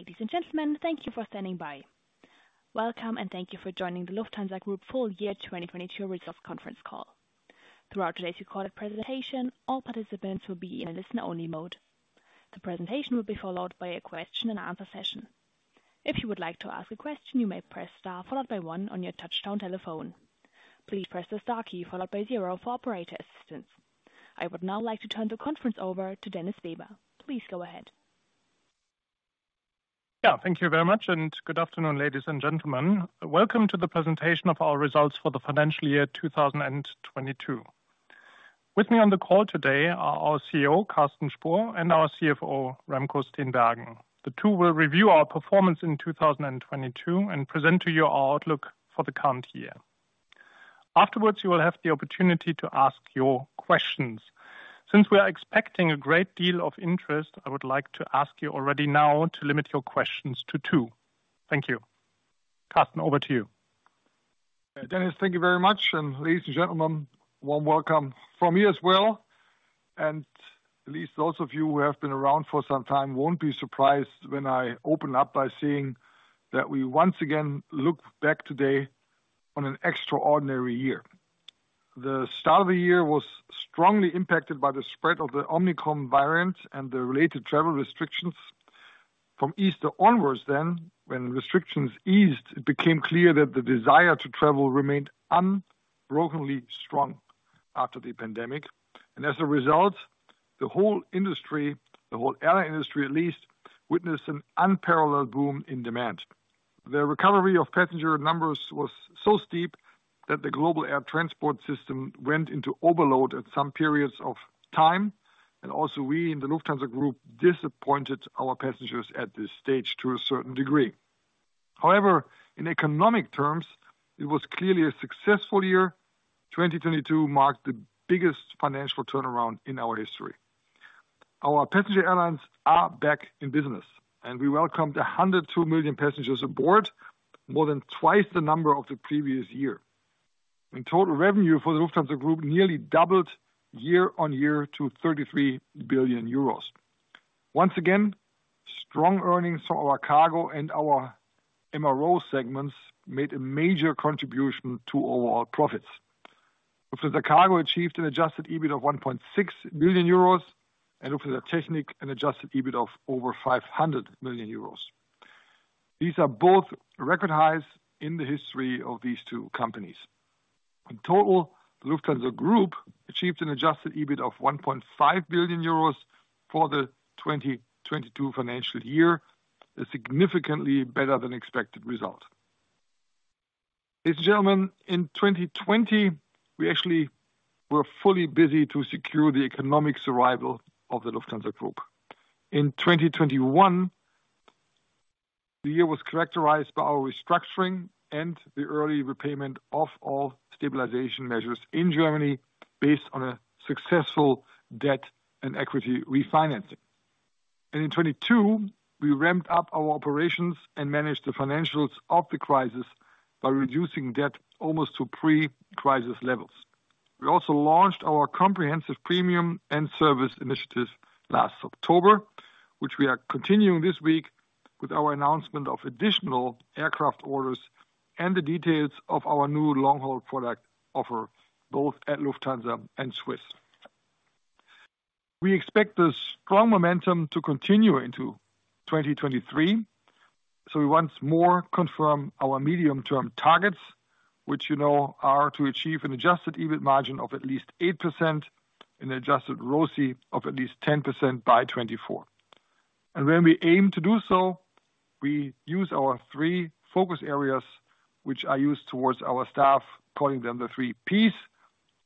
Ladies and gentlemen, thank you for standing by. Welcome, and thank you for joining the Lufthansa Group Full Year 2022 Results Conference Call. Throughout today's recorded presentation, all participants will be in a listen-only mode. The presentation will be followed by a question-and-answer session. If you would like to ask a question, you may press star followed by one on your touchtone telephone. Please press the star key followed by zero for operator assistance. I would now like to turn the conference over to Dennis Weber. Please go ahead. Yeah, thank you very much. Good afternoon, ladies and gentlemen. Welcome to the presentation of our results for the financial year 2022. With me on the call today are our CEO, Carsten Spohr, and our CFO, Remco Steenbergen. The two will review our performance in 2022 and present to you our outlook for the current year. Afterwards, you will have the opportunity to ask your questions. Since we are expecting a great deal of interest, I would like to ask you already now to limit your questions to two. Thank you. Carsten, over to you. Dennis, thank you very much. Ladies and gentlemen, warm welcome from me as well. At least those of you who have been around for some time won't be surprised when I open up by saying that we once again look back today on an extraordinary year. The start of the year was strongly impacted by the spread of the Omicron variant and the related travel restrictions. From Easter onwards, when restrictions eased, it became clear that the desire to travel remained unbrokenly strong after the pandemic. As a result, the whole industry, the whole airline industry at least, witnessed an unparalleled boom in demand. The recovery of passenger numbers was so steep that the global air transport system went into overload at some periods of time, and also we in the Lufthansa Group disappointed our passengers at this stage to a certain degree. However, in economic terms, it was clearly a successful year. 2022 marked the biggest financial turnaround in our history. Our passenger airlines are back in business, and we welcomed 102 million passengers aboard, more than twice the number of the previous year. In total revenue for the Lufthansa Group nearly doubled year-over-year to 33 billion euros. Once again, strong earnings from our cargo and our MRO segments made a major contribution to overall profits. Lufthansa Cargo achieved an Adjusted EBIT of 1.6 billion euros, and Lufthansa Technik, an Adjusted EBIT of over 500 million euros. These are both record highs in the history of these two companies. In total, the Lufthansa Group achieved an Adjusted EBIT of 1.5 billion euros for the 2022 financial year, a significantly better than expected result. Ladies and gentlemen, in 2020, we actually were fully busy to secure the economic survival of the Lufthansa Group. In 2021, the year was characterized by our restructuring and the early repayment of all stabilization measures in Germany based on a successful debt and equity refinancing. In 2022, we ramped up our operations and managed the financials of the crisis by reducing debt almost to pre-crisis levels. We also launched our comprehensive premium and service initiative last October, which we are continuing this week with our announcement of additional aircraft orders and the details of our new long-haul product offer, both at Lufthansa and Swiss. We expect this strong momentum to continue into 2023, so we once more confirm our medium-term targets, which you know are to achieve an Adjusted EBIT margin of at least 8% and Adjusted ROCE of at least 10% by 2024. When we aim to do so, we use our three focus areas, which I use towards our staff, calling them the three Ps.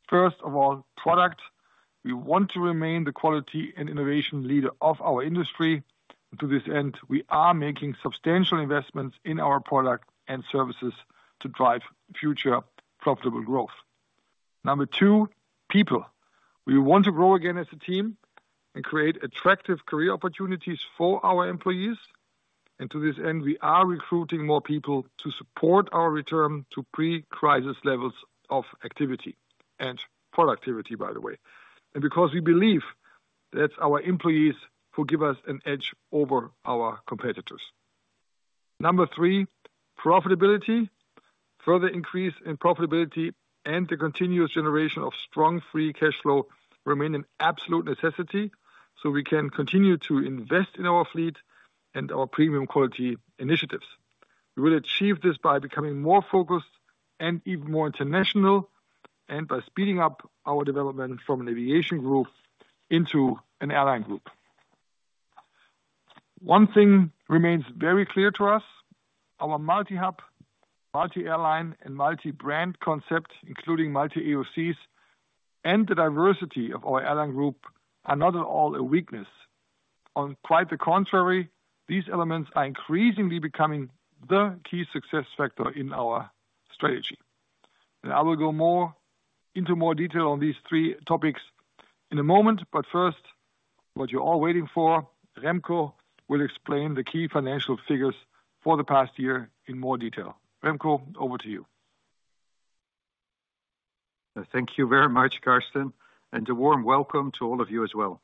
First of all, product. We want to remain the quality and innovation leader of our industry. To this end, we are making substantial investments in our product and services to drive future profitable growth. Number two, people. We want to grow again as a team and create attractive career opportunities for our employees. To this end, we are recruiting more people to support our return to pre-crisis levels of activity and productivity, by the way. Because we believe that's our employees who give us an edge over our competitors. Number three, profitability. Further increase in profitability and the continuous generation of strong free cash flow remain an absolute necessity so we can continue to invest in our fleet and our premium quality initiatives. We will achieve this by becoming more focused and even more international, and by speeding up our development from an aviation group into an airline group. One thing remains very clear to us, our multi-hub, multi-airline and multi-brand concept, including multi-AOCs and the diversity of our airline group, are not at all a weakness. On quite the contrary, these elements are increasingly becoming the key success factor in our strategy. I will go more, into more detail on these three topics in a moment, but first, what you're all waiting for, Remco will explain the key financial figures for the past year in more detail. Remco, over to you. Thank you very much, Carsten, a warm welcome to all of you as well.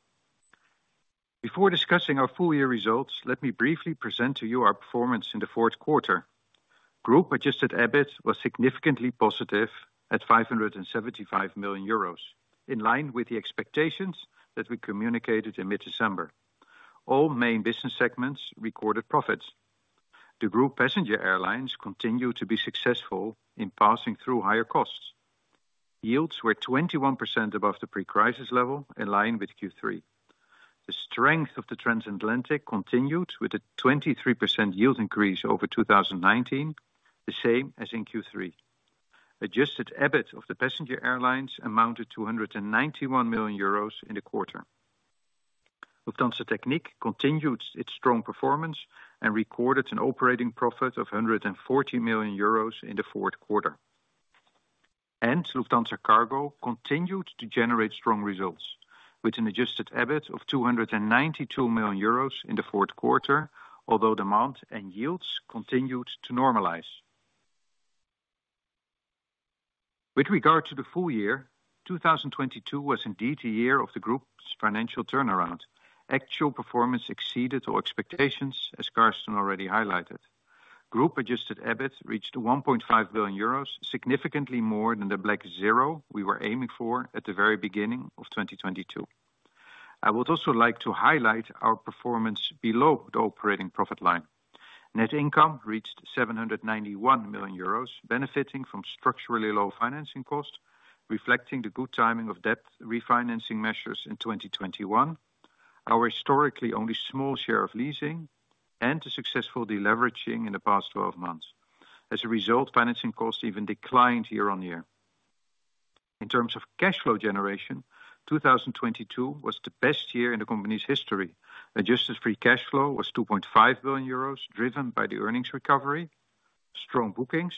Before discussing our full year results, let me briefly present to you our performance in the fourth quarter. Group Adjusted EBIT was significantly positive at 575 million euros, in line with the expectations that we communicated in mid-December. All main business segments recorded profits. The group passenger airlines continue to be successful in passing through higher costs. Yields were 21% above the pre-crisis level, in line with Q3. The strength of the transatlantic continued with a 23% yield increase over 2019, the same as in Q3. Adjusted EBIT of the passenger airlines amounted to 191 million euros in the quarter. Lufthansa Technik continued its strong performance and recorded an operating profit of 140 million euros in the fourth quarter. Lufthansa Cargo continued to generate strong results, with an Adjusted EBIT of 292 million euros in the fourth quarter, although demand and yields continued to normalize. With regard to the full year, 2022 was indeed a year of the group's financial turnaround. Actual performance exceeded all expectations, as Carsten already highlighted. Group Adjusted EBIT reached 1.5 billion euros, significantly more than the blank zero we were aiming for at the very beginning of 2022. I would also like to highlight our performance below the operating profit line. Net income reached 791 million euros, benefiting from structurally low financing costs, reflecting the good timing of debt refinancing measures in 2021, our historically only small share of leasing, and the successful deleveraging in the past 12 months. As a result, financing costs even declined year-on-year. In terms of cash flow generation, 2022 was the best year in the company's history. Adjusted free cash flow was 2.5 billion euros, driven by the earnings recovery, strong bookings,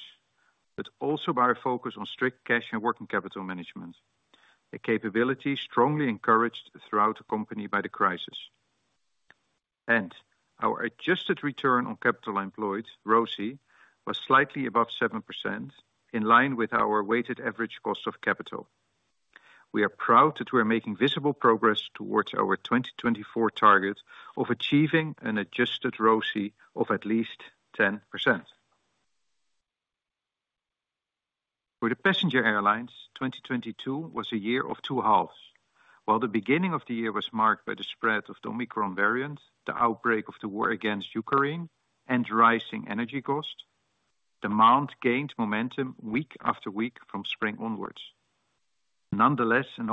also by our focus on strict cash and working capital management. The capability strongly encouraged throughout the company by the crisis. Our Adjusted return on capital employed, ROCE, was slightly above 7%, in line with our weighted average cost of capital. We are proud that we are making visible progress towards our 2024 target of achieving an Adjusted ROCE of at least 10%. For the passenger airlines, 2022 was a year of two halves. While the beginning of the year was marked by the spread of the Omicron variant, the outbreak of the war against Ukraine, and rising energy costs, demand gained momentum week after week from spring onwards. An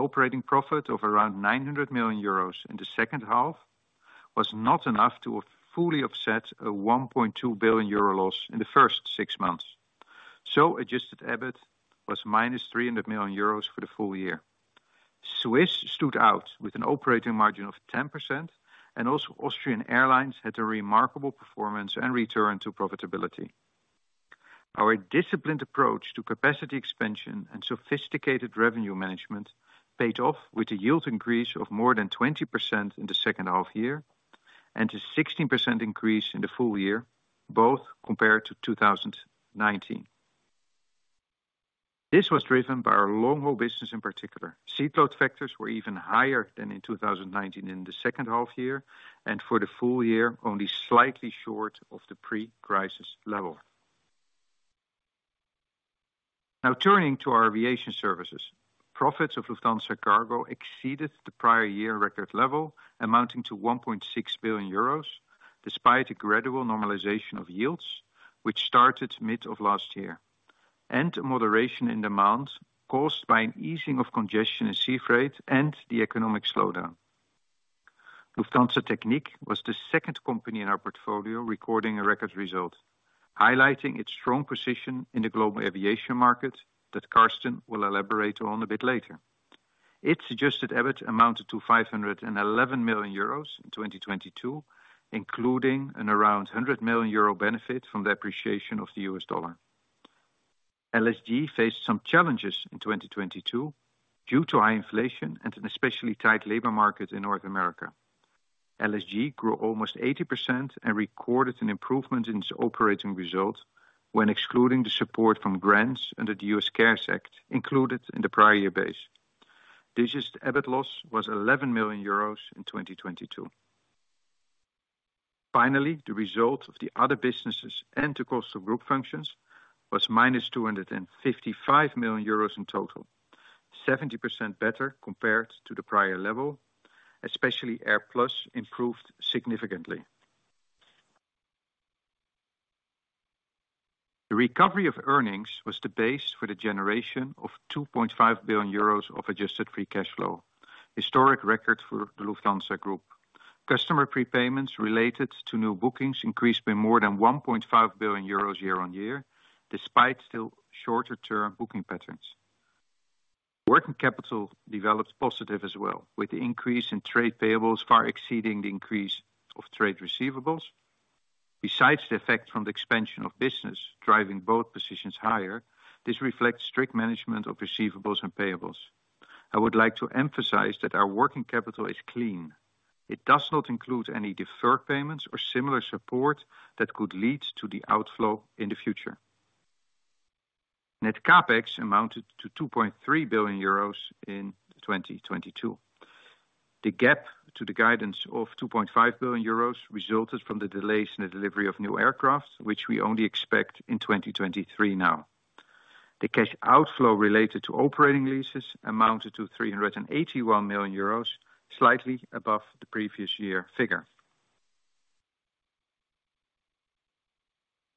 operating profit of around 900 million euros in the second half was not enough to have fully offset a 1.2 billion euro loss in the first six months. Adjusted EBIT was minus 300 million euros for the full year. Swiss stood out with an operating margin of 10%, and also Austrian Airlines had a remarkable performance and return to profitability. Our disciplined approach to capacity expansion and sophisticated revenue management paid off with a yield increase of more than 20% in the second half year and a 16% increase in the full year, both compared to 2019. This was driven by our long-haul business in particular. Seat load factors were even higher than in 2019 in the second half year, and for the full year, only slightly short of the pre-crisis level. Turning to our aviation services. Profits of Lufthansa Cargo exceeded the prior year record level, amounting to 1.6 billion euros, despite a gradual normalization of yields which started mid of last year, and moderation in demand caused by an easing of congestion in sea freight and the economic slowdown. Lufthansa Technik was the second company in our portfolio recording a record result, highlighting its strong position in the global aviation market that Carsten will elaborate on a bit later. Its Adjusted EBIT amounted to 511 million euros in 2022, including an around 100 million euro benefit from the appreciation of the U.S. dollar. LSG faced some challenges in 2022 due to high inflation and an especially tight labor market in North America. LSG grew almost 80% and recorded an improvement in its operating results when excluding the support from grants under the U.S. CARES Act included in the prior year base. Digested EBIT loss was 11 million euros in 2022. The result of the other businesses and the cost of group functions was minus 255 million euros in total, 70% better compared to the prior level, especially AirPlus improved significantly. The recovery of earnings was the base for the generation of 2.5 billion euros of adjusted free cash flow. Historic record for the Lufthansa Group. Customer prepayments related to new bookings increased by more than 1.5 billion euros year-on-year, despite still shorter term booking patterns. Working capital developed positive as well, with the increase in trade payables far exceeding the increase of trade receivables. Besides the effect from the expansion of business driving both positions higher, this reflects strict management of receivables and payables. I would like to emphasize that our working capital is clean. It does not include any deferred payments or similar support that could lead to the outflow in the future. Net CapEx amounted to 23 billion euros in 2022. The gap to the guidance of 25 billion euros resulted from the delays in the delivery of new aircraft, which we only expect in 2023 now. The cash outflow related to operating leases amounted to 381 million euros, slightly above the previous year figure.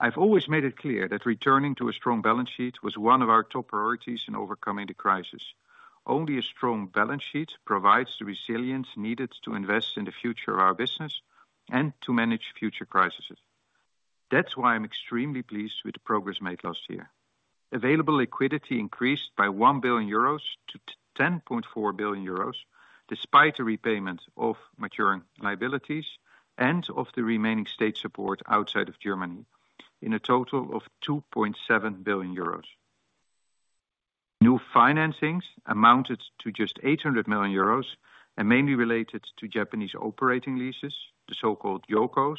I've always made it clear that returning to a strong balance sheet was one of our top priorities in overcoming the crisis. Only a strong balance sheet provides the resilience needed to invest in the future of our business and to manage future crises. That's why I'm extremely pleased with the progress made last year. Available liquidity increased by 1 billion euros to 10.4 billion euros, despite a repayment of maturing liabilities and of the remaining state support outside of Germany, in a total of 2.7 billion euros. New financings amounted to just 800 million euros and mainly related to Japanese operating leases, the so-called JOLCOs,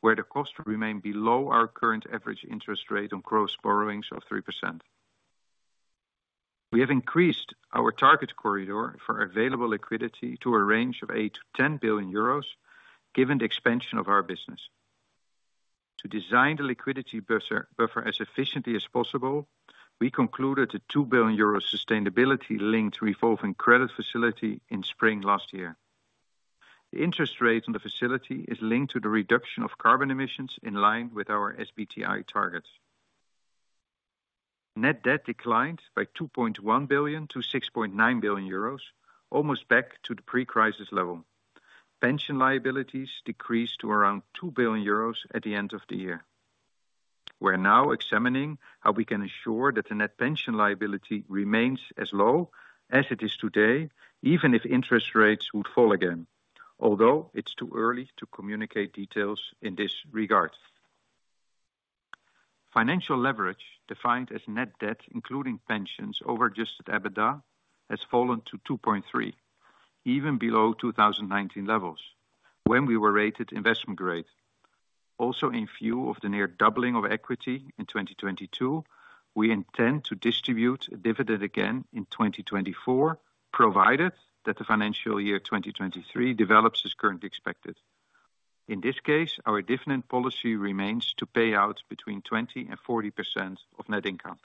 where the cost remain below our current average interest rate on gross borrowings of 3%. We have increased our target corridor for available liquidity to a range of 8 billion-10 billion euros given the expansion of our business. To design the liquidity buffer as efficiently as possible, we concluded a 2 billion euro sustainability-linked revolving credit facility in spring last year. The interest rate on the facility is linked to the reduction of carbon emissions in line with our SBTI targets. Net debt declined by 2.1 billion to 6.9 billion euros, almost back to the pre-crisis level. Pension liabilities decreased to around 2 billion euros at the end of the year. We're now examining how we can ensure that the net pension liability remains as low as it is today, even if interest rates would fall again, although it's too early to communicate details in this regard. Financial leverage defined as net debt, including pensions over Adjusted EBITDA, has fallen to two point three, even below 2019 levels when we were rated investment grade. In view of the near doubling of equity in 2022, we intend to distribute a dividend again in 2024, provided that the financial year 2023 develops as currently expected. In this case, our dividend policy remains to pay out between 20% and 40% of net income.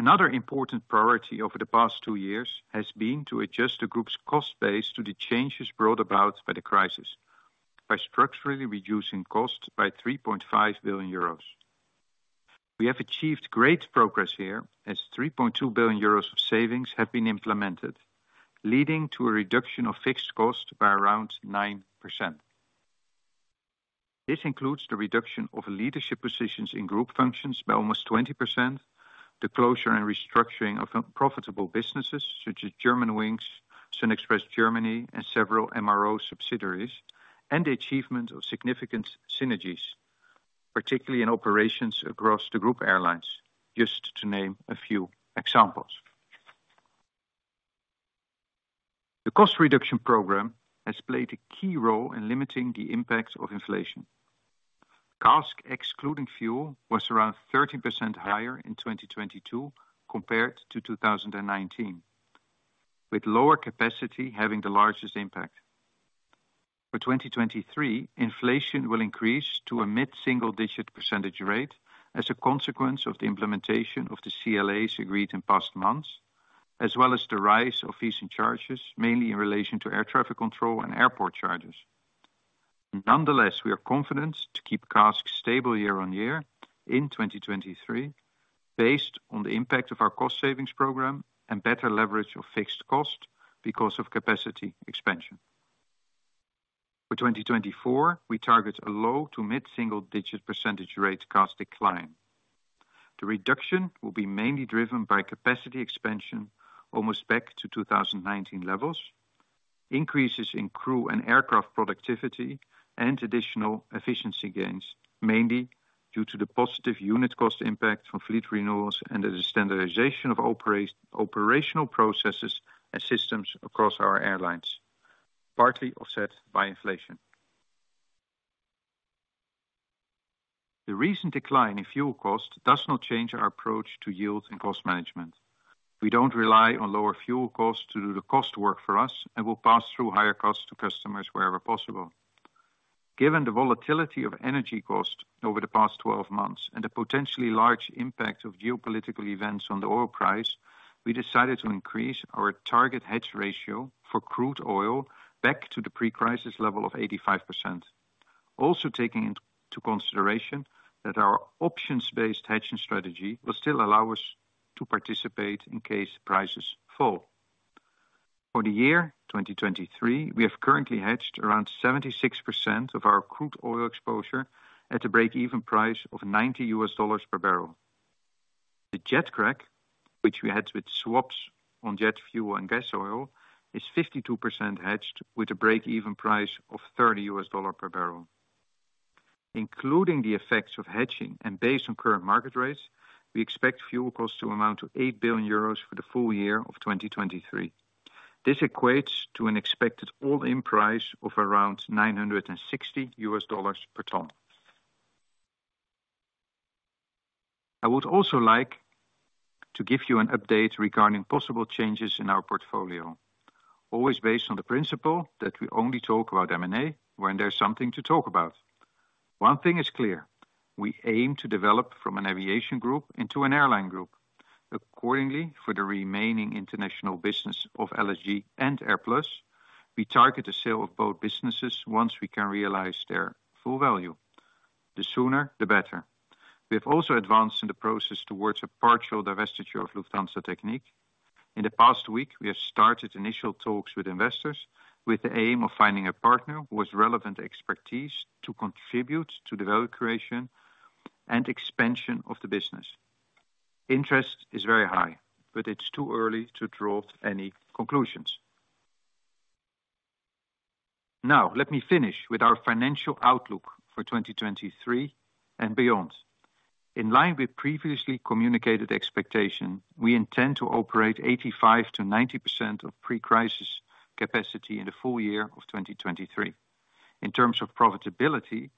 Another important priority over the past two years has been to adjust the group's cost base to the changes brought about by the crisis, by structurally reducing costs by 3.5 billion euros. We have achieved great progress here, as 3.2 billion euros of savings have been implemented, leading to a reduction of fixed cost by around 9%. This includes the reduction of leadership positions in group functions by almost 20%, the closure and restructuring of profitable businesses such as Germanwings, SunExpress Germany and several MRO subsidiaries, and the achievement of significant synergies, particularly in operations across the group airlines, just to name a few examples. The cost reduction program has played a key role in limiting the impacts of inflation. CASK, excluding fuel, was around 13% higher in 2022 compared to 2019, with lower capacity having the largest impact. For 2023, inflation will increase to a mid-single digit % rate as a consequence of the implementation of the CLAs agreed in past months, as well as the rise of fees and charges, mainly in relation to air traffic control and airport charges. Nonetheless, we are confident to keep CASK stable year-on-year in 2023 based on the impact of our cost savings program and better leverage of fixed cost because of capacity expansion. 2024, we target a low to mid-single digit percentage rate CASK decline. The reduction will be mainly driven by capacity expansion almost back to 2019 levels, increases in crew and aircraft productivity and additional efficiency gains, mainly due to the positive unit cost impact from fleet renewals and the standardization of operational processes and systems across our airlines, partly offset by inflation. The recent decline in fuel cost does not change our approach to yield and cost management. We don't rely on lower fuel costs to do the cost work for us, and we'll pass through higher costs to customers wherever possible. Given the volatility of energy costs over the past 12 months and the potentially large impact of geopolitical events on the oil price, we decided to increase our target hedge ratio for crude oil back to the pre-crisis level of 85%. Taking into consideration that our options-based hedging strategy will still allow us to participate in case prices fall. For the year 2023, we have currently hedged around 76% of our crude oil exposure at a break-even price of $90 per barrel. The jet crack, which we hedge with swaps on jet fuel and gas oil, is 52% hedged with a break-even price of $30 per barrel. Including the effects of hedging and based on current market rates, we expect fuel costs to amount to 8 billion euros for the full year of 2023. This equates to an expected all-in price of around $960 per ton. I would also like to give you an update regarding possible changes in our portfolio, always based on the principle that we only talk about M&A when there's something to talk about. One thing is clear, we aim to develop from an aviation group into an airline group. Accordingly, for the remaining international business of LSG and AirPlus, we target a sale of both businesses once we can realize their full value. The sooner, the better. We have also advanced in the process towards a partial divestiture of Lufthansa Technik. In the past week, we have started initial talks with investors with the aim of finding a partner with relevant expertise to contribute to the value creation and expansion of the business. Interest is very high, but it's too early to draw any conclusions. Now, let me finish with our financial outlook for 2023 and beyond. In line with previously communicated expectation, we intend to operate 85%-90% of pre-crisis capacity in the full year of 2023. In terms of profitability,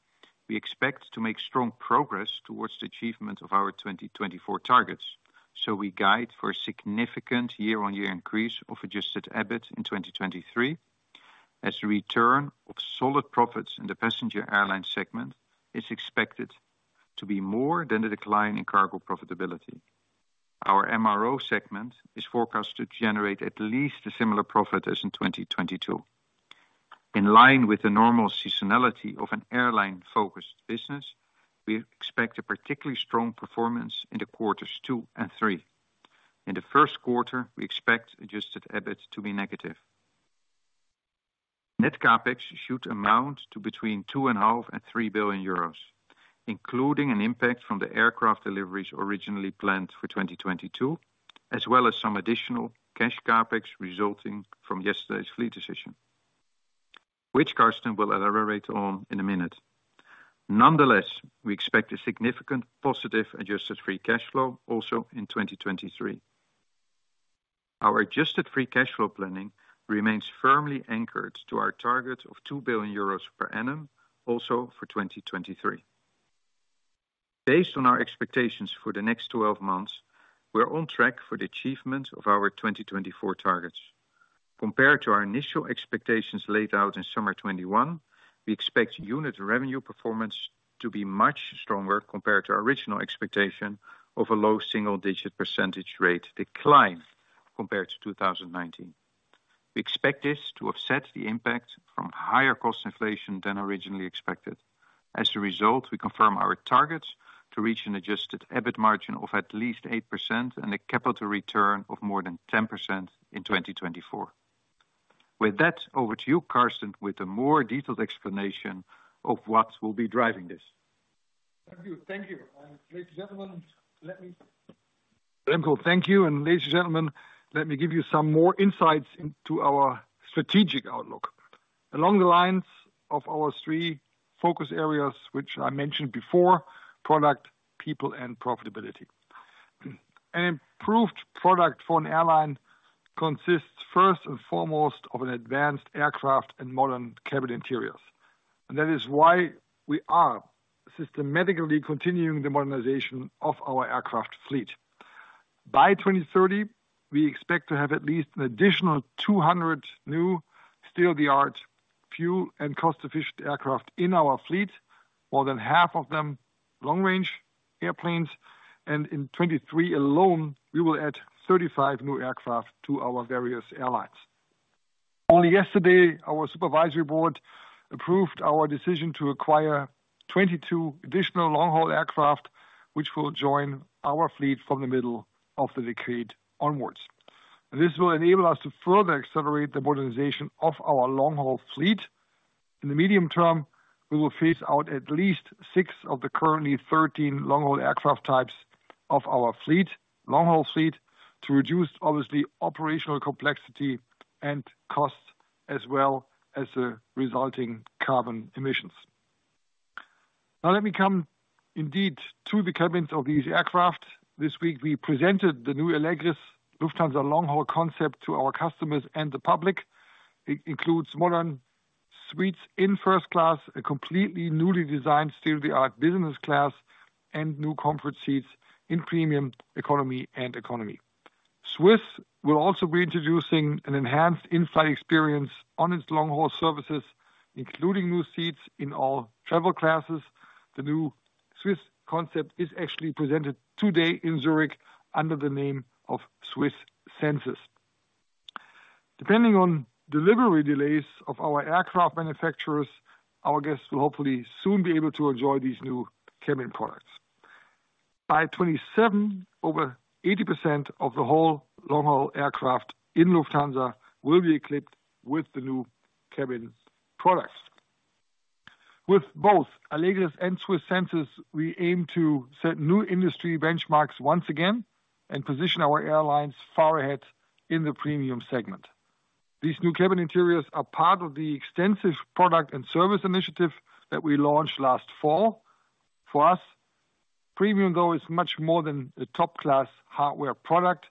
we expect to make strong progress towards the achievement of our 2024 targets. We guide for a significant year-on-year increase of Adjusted EBIT in 2023 as the return of solid profits in the passenger airline segment is expected to be more than the decline in cargo profitability. Our MRO segment is forecast to generate at least a similar profit as in 2022. In line with the normal seasonality of an airline-focused business, we expect a particularly strong performance in the quarters two and three. In the first quarter, we expect Adjusted EBIT to be negative. Net CapEx should amount to between 2.5 billion and 3 billion euros, including an impact from the aircraft deliveries originally planned for 2022, as well as some additional cash CapEx resulting from yesterday's fleet decision, which Carsten will elaborate on in a minute. Nonetheless, we expect a significant positive Adjusted free cash flow also in 2023. Our Adjusted free cash flow planning remains firmly anchored to our target of 2 billion euros per annum also for 2023. Based on our expectations for the next 12 months, we're on track for the achievement of our 2024 targets. Compared to our initial expectations laid out in summer 2021, we expect unit revenue performance to be much stronger compared to our original expectation of a low single-digit % rate decline compared to 2019. We expect this to offset the impact from higher cost inflation than originally expected. As a result, we confirm our targets to reach an Adjusted EBIT margin of at least 8% and a capital return of more than 10% in 2024. With that, over to you, Carsten, with a more detailed explanation of what will be driving this. Thank you. Remco, thank you. Ladies and gentlemen, let me give you some more insights into our strategic outlook. Along the lines of our three focus areas, which I mentioned before, product, people, and profitability. An improved product for an airline consists first and foremost of an advanced aircraft and modern cabin interiors. That is why we are systematically continuing the modernization of our aircraft fleet. By 2030, we expect to have at least an additional 200 new state-of-the-art fuel and cost-efficient aircraft in our fleet, more than half of them long-range airplanes. In 2023 alone, we will add 35 new aircraft to our various airlines. Only yesterday, our supervisory board approved our decision to acquire 22 additional long-haul aircraft, which will join our fleet from the middle of the decade onwards. This will enable us to further accelerate the modernization of our long-haul fleet. In the medium term, we will phase out at least six of the currently 13 long-haul aircraft types of our long-haul fleet, to reduce obviously operational complexity and costs, as well as the resulting carbon emissions. Now, let me come indeed to the cabins of these aircraft. This week, we presented the new Allegris Lufthansa long-haul concept to our customers and the public. It includes modern suites in first class, a completely newly designed state-of-the-art business class, and new comfort seats in premium economy and economy. Swiss will also be introducing an enhanced in-flight experience on its long-haul services, including new seats in all travel classes. The new Swiss concept is actually presented today in Zurich under the name of SWISS Senses. Depending on delivery delays of our aircraft manufacturers, our guests will hopefully soon be able to enjoy these new cabin products. By 2027, over 80% of the whole long-haul aircraft in Lufthansa will be equipped with the new cabin products. With both Allegris and SWISS Senses, we aim to set new industry benchmarks once again and position our airlines far ahead in the premium segment. These new cabin interiors are part of the extensive product and service initiative that we launched last fall. For us, premium, though, is much more than a top-class hardware product.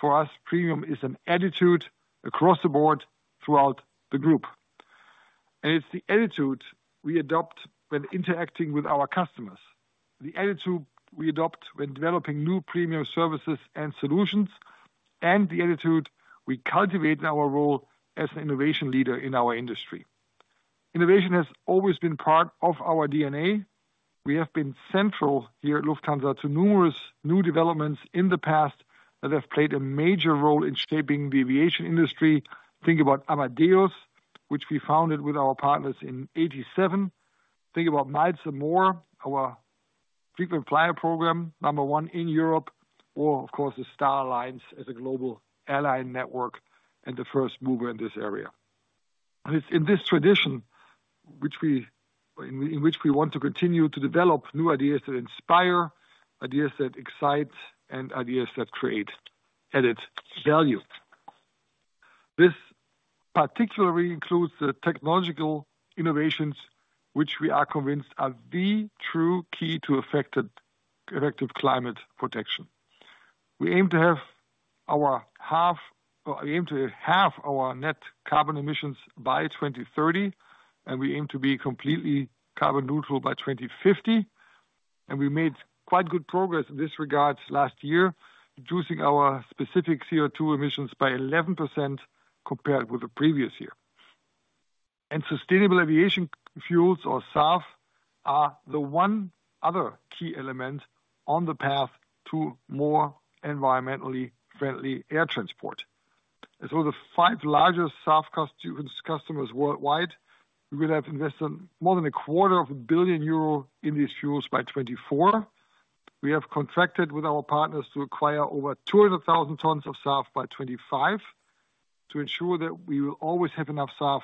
For us, premium is an attitude across the board throughout the group. It's the attitude we adopt when interacting with our customers, the attitude we adopt when developing new premium services and solutions, and the attitude we cultivate in our role as an innovation leader in our industry. Innovation has always been part of our DNA. We have been central here at Lufthansa to numerous new developments in the past that have played a major role in shaping the aviation industry. Think about Amadeus, which we founded with our partners in 87. Think about Miles & More, our frequent flyer program, number one in Europe, or of course, the Star Alliance as a global ally network and the first mover in this area. It's in this tradition which we, in which we want to continue to develop new ideas that inspire, ideas that excite, and ideas that create added value. This particularly includes the technological innovations which we are convinced are the true key to effective climate protection. We aim to have our Or aim to half our net carbon emissions by 2030, we aim to be completely carbon neutral by 2050. We made quite good progress in this regards last year, reducing our specific CO2 emissions by 11% compared with the previous year. Sustainable aviation fuels or SAF are the one other key element on the path to more environmentally friendly air transport. The five largest SAF customers worldwide, we will have invested more than a quarter of a billion EUR in these fuels by 2024. We have contracted with our partners to acquire over 200,000 tons of SAF by 2025 to ensure that we will always have enough SAF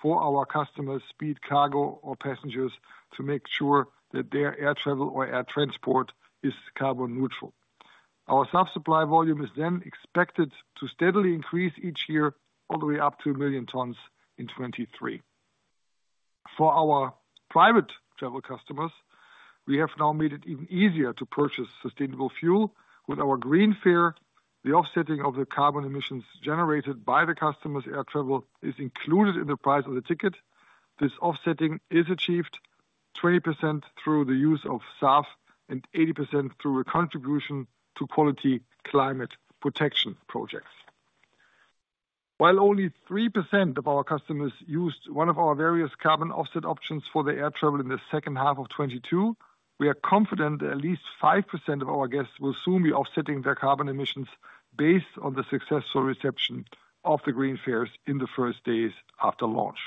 for our customers, speed cargo or passengers, to make sure that their air travel or air transport is carbon neutral. Our SAF supply volume is expected to steadily increase each year all the way up to 1 million tons in 2023. For our private travel customers, we have now made it even easier to purchase sustainable fuel. With our Green Fare, the offsetting of the carbon emissions generated by the customer's air travel is included in the price of the ticket. This offsetting is achieved 20% through the use of SAF and 80% through a contribution to quality climate protection projects. While only 3% of our customers used one of our various carbon offset options for their air travel in the second half of 2022, we are confident that at least 5% of our guests will soon be offsetting their carbon emissions based on the successful reception of the Green Fares in the first days after launch.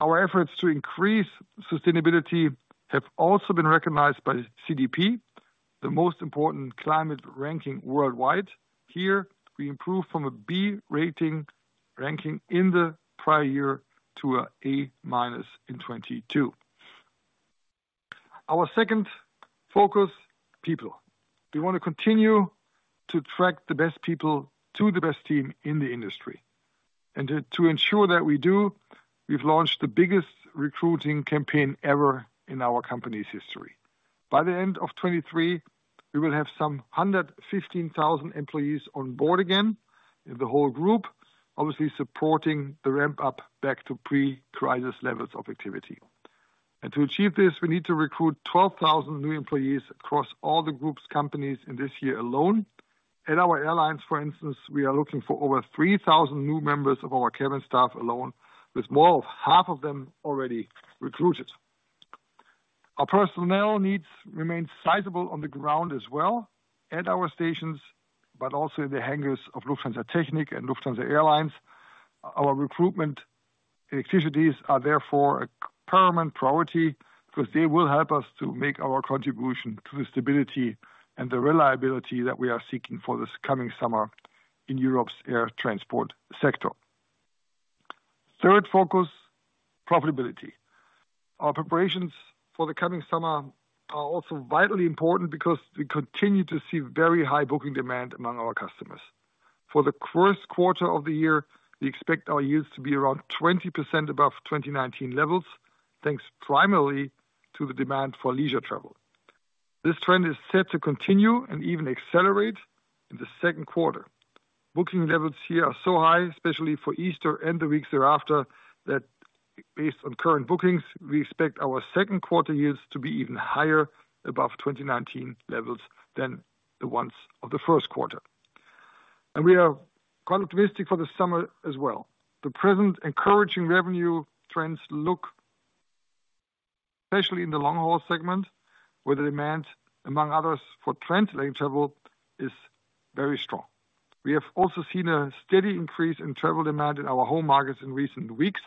Our efforts to increase sustainability have also been recognized by CDP, the most important climate ranking worldwide. Here, we improved from a B rating ranking in the prior year to a A- in 2022. Our second focus, people. We want to continue to attract the best people to the best team in the industry. To ensure that we do, we've launched the biggest recruiting campaign ever in our company's history. By the end of 2023, we will have some 115,000 employees on board again in the whole group, obviously supporting the ramp up back to pre-crisis levels of activity. To achieve this, we need to recruit 12,000 new employees across all the group's companies in this year alone. At our airlines, for instance, we are looking for over 3,000 new members of our cabin staff alone, with more of half of them already recruited. Our personnel needs remain sizable on the ground as well, at our stations, but also in the hangars of Lufthansa Technik and Lufthansa Airlines. Our recruitment activities are therefore a permanent priority because they will help us to make our contribution to the stability and the reliability that we are seeking for this coming summer in Europe's air transport sector. Third focus, profitability. Our preparations for the coming summer are also vitally important because we continue to see very high booking demand among our customers. For the first quarter of the year, we expect our yields to be around 20% above 2019 levels, thanks primarily to the demand for leisure travel. This trend is set to continue and even accelerate in the second quarter. Booking levels here are so high, especially for Easter and the weeks thereafter, that based on current bookings, we expect our second quarter yields to be even higher above 2019 levels than the ones of the first quarter. We are quite optimistic for the summer as well. The present encouraging revenue trends look, especially in the long-haul segment, where the demand, among others, for transatlantic travel is very strong. We have also seen a steady increase in travel demand in our home markets in recent weeks.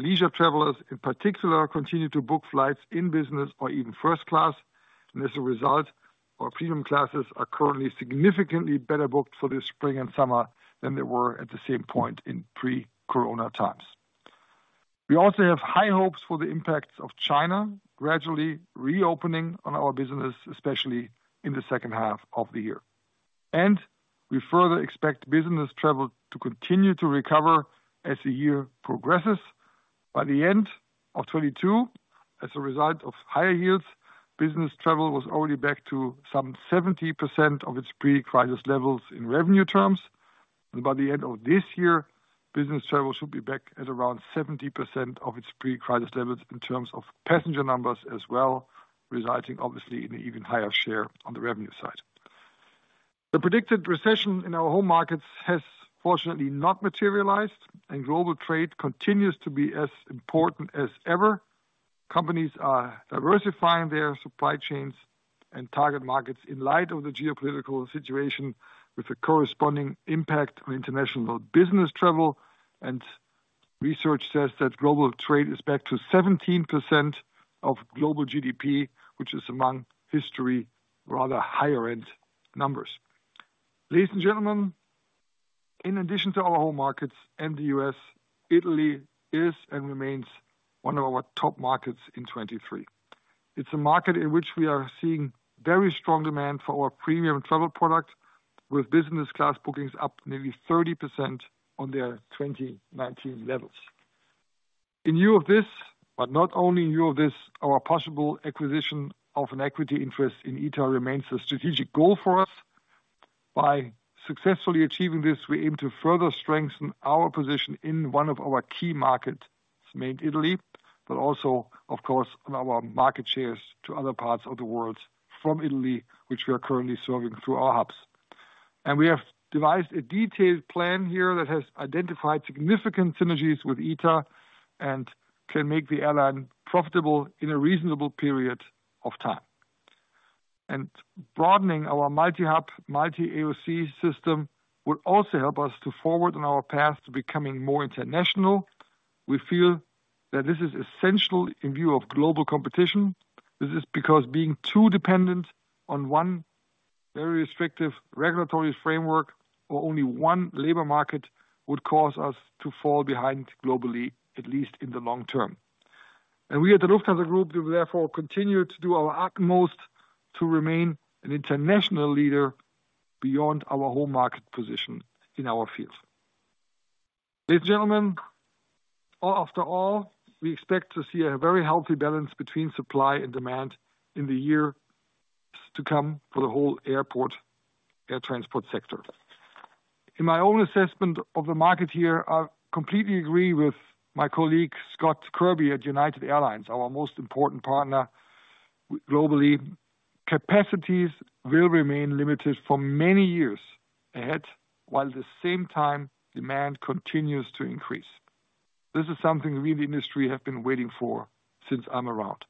Leisure travelers, in particular, continue to book flights in business or even first class. As a result, our premium classes are currently significantly better booked for this spring and summer than they were at the same point in pre-corona times. We also have high hopes for the impacts of China gradually reopening on our business, especially in the second half of the year. We further expect business travel to continue to recover as the year progresses. By the end of 2022, as a result of higher yields, business travel was already back to some 70% of its pre-crisis levels in revenue terms. By the end of this year, business travel should be back at around 70% of its pre-crisis levels in terms of passenger numbers as well, resulting obviously in an even higher share on the revenue side. The predicted recession in our home markets has fortunately not materialized, and global trade continues to be as important as ever. Companies are diversifying their supply chains and target markets in light of the geopolitical situation, with a corresponding impact on international business travel research says that global trade is back to 17% of global GDP, which is among history, rather higher end numbers. Ladies and gentlemen, in addition to our home markets and the U.S., Italy is and remains one of our top markets in 23. It's a market in which we are seeing very strong demand for our premium travel product with business class bookings up nearly 30% on their 2019 levels. In view of this, but not only in view of this, our possible acquisition of an equity interest in ITA remains a strategic goal for us. By successfully achieving this, we aim to further strengthen our position in one of our key markets, mainly Italy, but also of course on our market shares to other parts of the world from Italy, which we are currently serving through our hubs. We have devised a detailed plan here that has identified significant synergies with ITA and can make the airline profitable in a reasonable period of time. Broadening our multi-hub, multi-AOC system will also help us to forward on our path to becoming more international. We feel that this is essential in view of global competition. This is because being too dependent on one very restrictive regulatory framework or only one labor market would cause us to fall behind globally, at least in the long term. We at the Lufthansa Group will therefore continue to do our utmost to remain an international leader beyond our home market position in our field. Ladies and gentlemen, after all, we expect to see a very healthy balance between supply and demand in the years to come for the whole airport, air transport sector. In my own assessment of the market here, I completely agree with my colleague Scott Kirby at United Airlines, our most important partner globally. Capacities will remain limited for many years ahead, while at the same time demand continues to increase. This is something we in the industry have been waiting for since I'm around.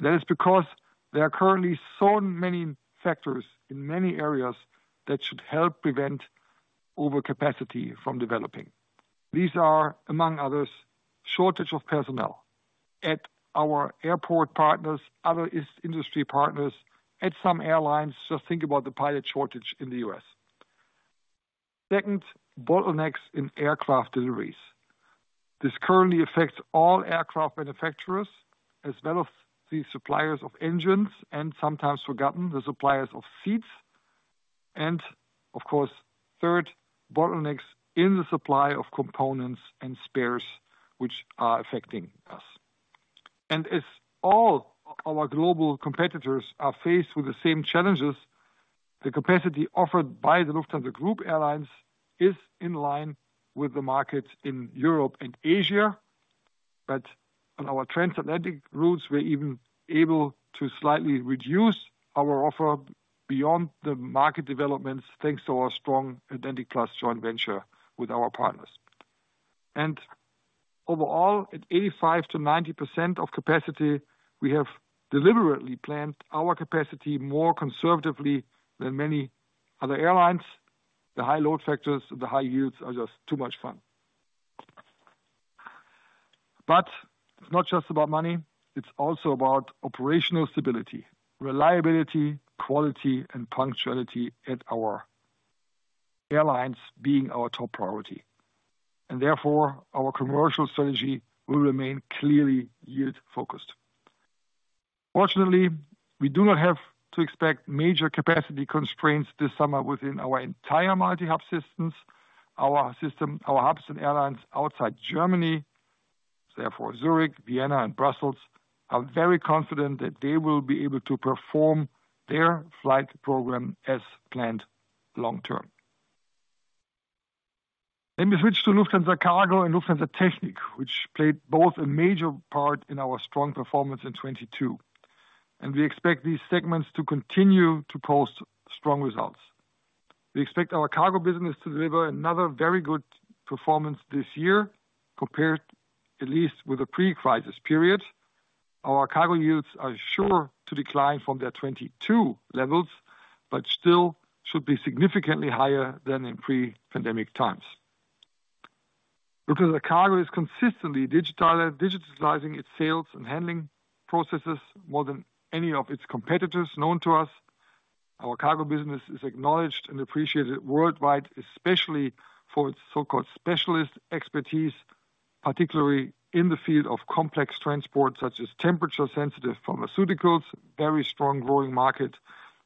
That is because there are currently so many factors in many areas that should help prevent overcapacity from developing. These are, among others, shortage of personnel at our airport partners, other industry partners at some airlines. Think about the pilot shortage in the U.S. Second, bottlenecks in aircraft deliveries. This currently affects all aircraft manufacturers as well as the suppliers of engines and sometimes forgotten, the suppliers of seats. Of course, third, bottlenecks in the supply of components and spares which are affecting us. As all our global competitors are faced with the same challenges, the capacity offered by the Lufthansa Group airlines is in line with the markets in Europe and Asia. But on our transatlantic routes, we're even able to slightly reduce our offer beyond the market developments, thanks to our strong Atlantic Joint Venture with our partners. Overall, at 85%-90% of capacity, we have deliberately planned our capacity more conservatively than many other airlines. The high load factors, the high yields are just too much fun. It's not just about money, it's also about operational stability, reliability, quality and punctuality at our airlines being our top priority. Therefore, our commercial strategy will remain clearly yield-focused. Fortunately, we do not have to expect major capacity constraints this summer within our entire multi-hub systems. Our system, our hubs and airlines outside Germany, therefore Zurich, Vienna and Brussels, are very confident that they will be able to perform their flight program as planned long term. Let me switch to Lufthansa Cargo and Lufthansa Technik, which played both a major part in our strong performance in 2022, and we expect these segments to continue to post strong results. We expect our cargo business to deliver another very good performance this year, compared at least with the pre-crisis period. Our cargo yields are sure to decline from their 2022 levels, but still should be significantly higher than in pre-pandemic times. Lufthansa Cargo is consistently digitalizing its sales and handling processes more than any of its competitors known to us. Our cargo business is acknowledged and appreciated worldwide, especially for its so-called specialist expertise, particularly in the field of complex transport, such as temperature sensitive pharmaceuticals, very strong growing market,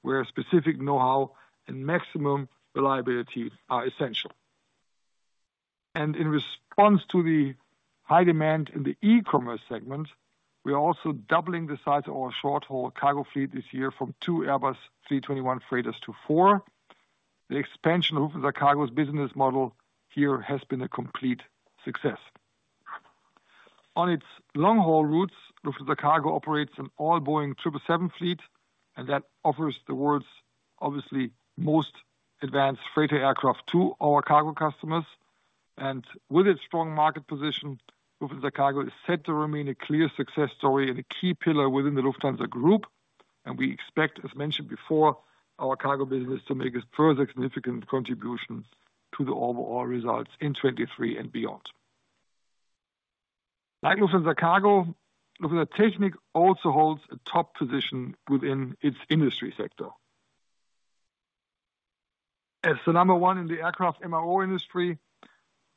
where specific know-how and maximum reliability are essential. In response to the high demand in the e-commerce segment, we are also doubling the size of our short-haul cargo fleet this year from two Airbus A321 freighters to four. The expansion of Lufthansa Cargo's business model here has been a complete success. On its long-haul routes, Lufthansa Cargo operates an all Boeing 777 fleet, and that offers the world's obviously most advanced freighter aircraft to our cargo customers. With its strong market position, Lufthansa Cargo is set to remain a clear success story and a key pillar within the Lufthansa Group. We expect, as mentioned before, our cargo business to make a further significant contribution to the overall results in 23 and beyond. Like Lufthansa Cargo, Lufthansa Technik also holds a top position within its industry sector. As the number one in the aircraft MRO industry,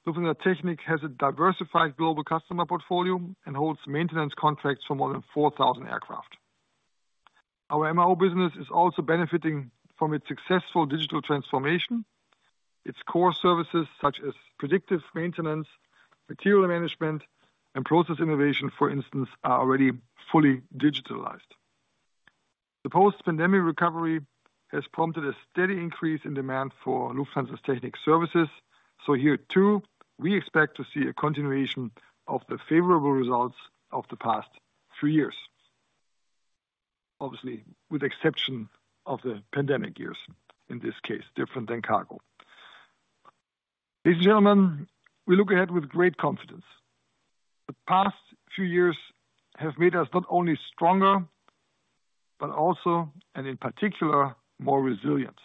Lufthansa Technik has a diversified global customer portfolio and holds maintenance contracts for more than 4,000 aircraft. Our MRO business is also benefiting from its successful digital transformation. Its core services, such as predictive maintenance, material management, and process innovation, for instance, are already fully digitalized. The post-pandemic recovery has prompted a steady increase in demand for Lufthansa Technik services. Here, too, we expect to see a continuation of the favorable results of the past three years. Obviously, with exception of the pandemic years, in this case, different than cargo. Ladies and gentlemen, we look ahead with great confidence. The past few years have made us not only stronger, but also, and in particular, more resilient.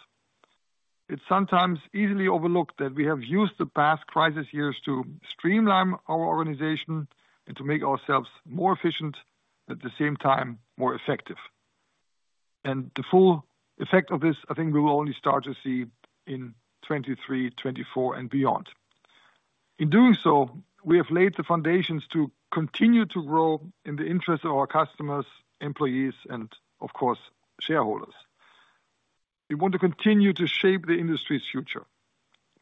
It's sometimes easily overlooked that we have used the past crisis years to streamline our organization and to make ourselves more efficient, at the same time, more effective. The full effect of this, I think we will only start to see in 2023, 2024 and beyond. In doing so, we have laid the foundations to continue to grow in the interest of our customers, employees, and of course, shareholders. We want to continue to shape the industry's future,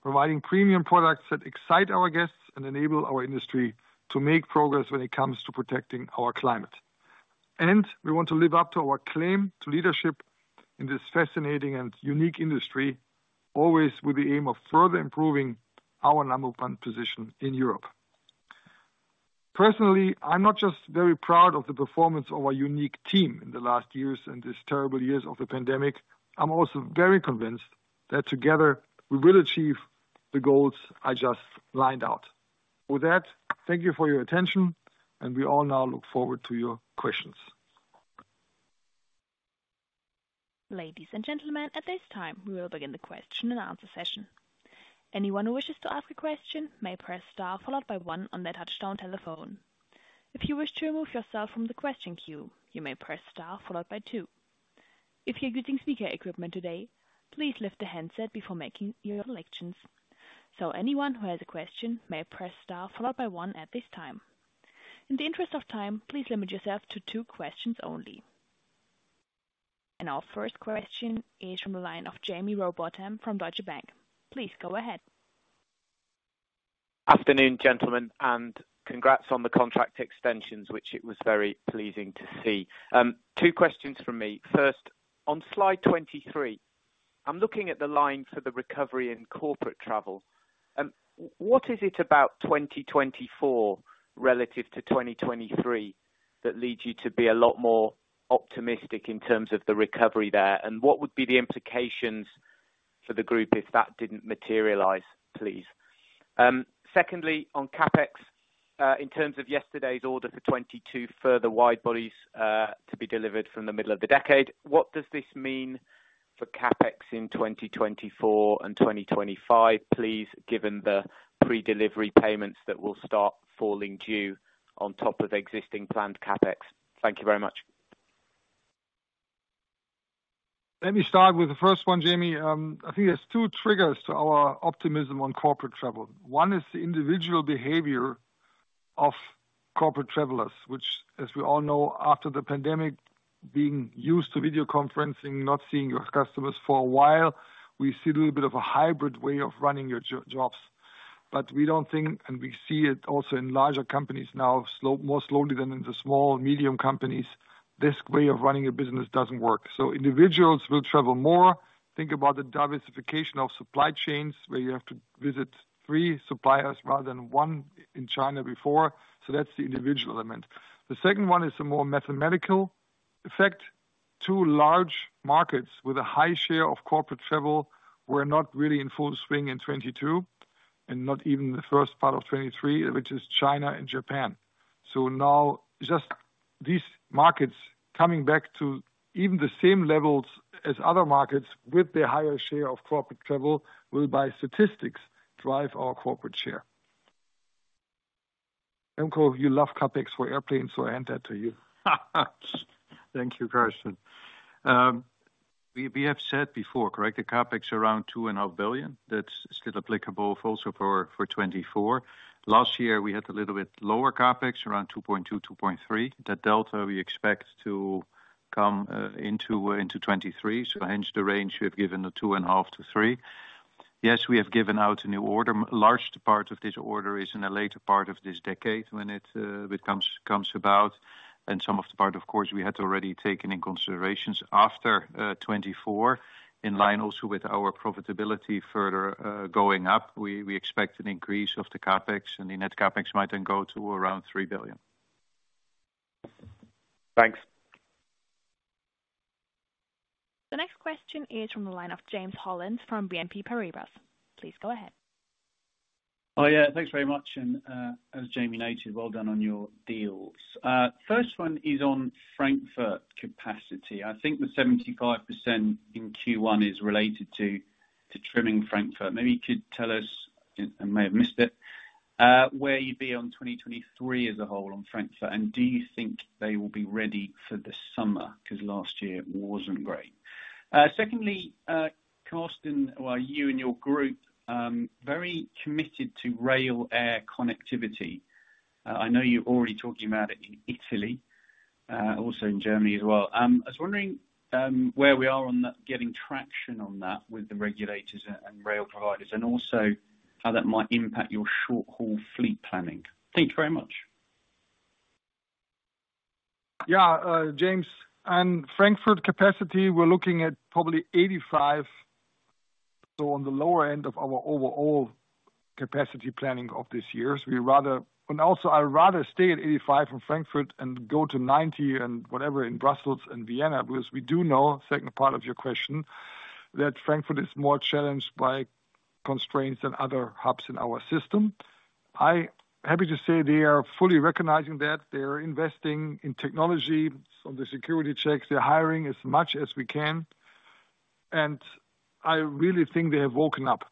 providing premium products that excite our guests and enable our industry to make progress when it comes to protecting our climate. We want to live up to our claim to leadership in this fascinating and unique industry, always with the aim of further improving our number one position in Europe. Personally, I'm not just very proud of the performance of our unique team in the last years and these terrible years of the pandemic, I'm also very convinced that together we will achieve the goals I just lined out. With that, thank you for your attention, and we all now look forward to your questions. Ladies and gentlemen, at this time, we will begin the question and answer session. Anyone who wishes to ask a question may press star followed by one on their touch-tone telephone. If you wish to remove yourself from the question queue, you may press star followed by two. If you're using speaker equipment today, please lift the handset before making your selections. Anyone who has a question may press star followed by one at this time. In the interest of time, please limit yourself to two questions only. Our first question is from the line of Jaime Rowbotham from Deutsche Bank. Please go ahead. Afternoon, gentlemen, and congrats on the contract extensions, which it was very pleasing to see. Two questions from me. First, on slide 23, I'm looking at the line for the recovery in corporate travel. What is it about 2024 relative to 2023 that leads you to be a lot more optimistic in terms of the recovery there? What would be the implications for the group if that didn't materialize, please? Secondly, on CapEx, in terms of yesterday's order for 22 further wide-bodies, to be delivered from the middle of the decade, what does this mean for CapEx in 2024 and 2025, please, given the pre-delivery payments that will start falling due on top of existing planned CapEx? Thank you very much. Let me start with the first one, Jaime. I think there's two triggers to our optimism on corporate travel. One is the individual behavior of corporate travelers, which, as we all know, after the pandemic, being used to video conferencing, not seeing your customers for a while, we see a little bit of a hybrid way of running your jobs. We don't think, and we see it also in larger companies now slow, more slowly than in the small and medium companies, this way of running a business doesn't work. Individuals will travel more, think about the diversification of supply chains where you have to visit three suppliers rather than one in China before. That's the individual element. The second one is a more mathematical effect. Two large markets with a high share of corporate travel were not really in full swing in 2022 and not even the first part of 2023, which is China and Japan. Now just these markets coming back to even the same levels as other markets with the higher share of corporate travel will, by statistics, drive our corporate share. Remco, you love CapEx for airplanes, so I hand that to you. Thank you, Carsten. We have said before, correct, the CapEx around 2.5 billion. That's still applicable also for 2024. Last year we had a little bit lower CapEx, around 2.2 billion, 2.3 billion. That delta we expect to come into 2023, so hence the range we have given of two and a half billion-3 billion. Yes, we have given out a new order. Large part of this order is in the later part of this decade when it comes about. Some of the part, of course, we had already taken in considerations after 2024, in line also with our profitability further going up. We expect an increase of the CapEx. The net CapEx might then go to around 3 billion. Thanks. The next question is from the line of James Hollins from BNP Paribas. Please go ahead. Yeah, thanks very much. As Jaime noted, well done on your deals. First one is on Frankfurt capacity. I think the 75% in Q1 is related to trimming Frankfurt. Maybe you could tell us, if I may have missed it, where you'd be on 2023 as a whole on Frankfurt, and do you think they will be ready for the summer? 'Cause last year it wasn't great. Secondly, Carsten, well, you and your group, very committed to rail air connectivity. I know you're already talking about it in Italy, also in Germany as well. I was wondering, where we are on that getting traction on that with the regulators and rail providers, and also how that might impact your short-haul fleet planning. Thank you very much. James, on Frankfurt capacity, we're looking at probably 85%, so on the lower end of our overall capacity planning of this year. I'd rather stay at 85% from Frankfurt and go to 90% and whatever in Brussels and Vienna, because we do know, second part of your question, that Frankfurt is more challenged by constraints than other hubs in our system. I happy to say they are fully recognizing that. They are investing in technology, some of the security checks. They're hiring as much as we can. I really think they have woken up,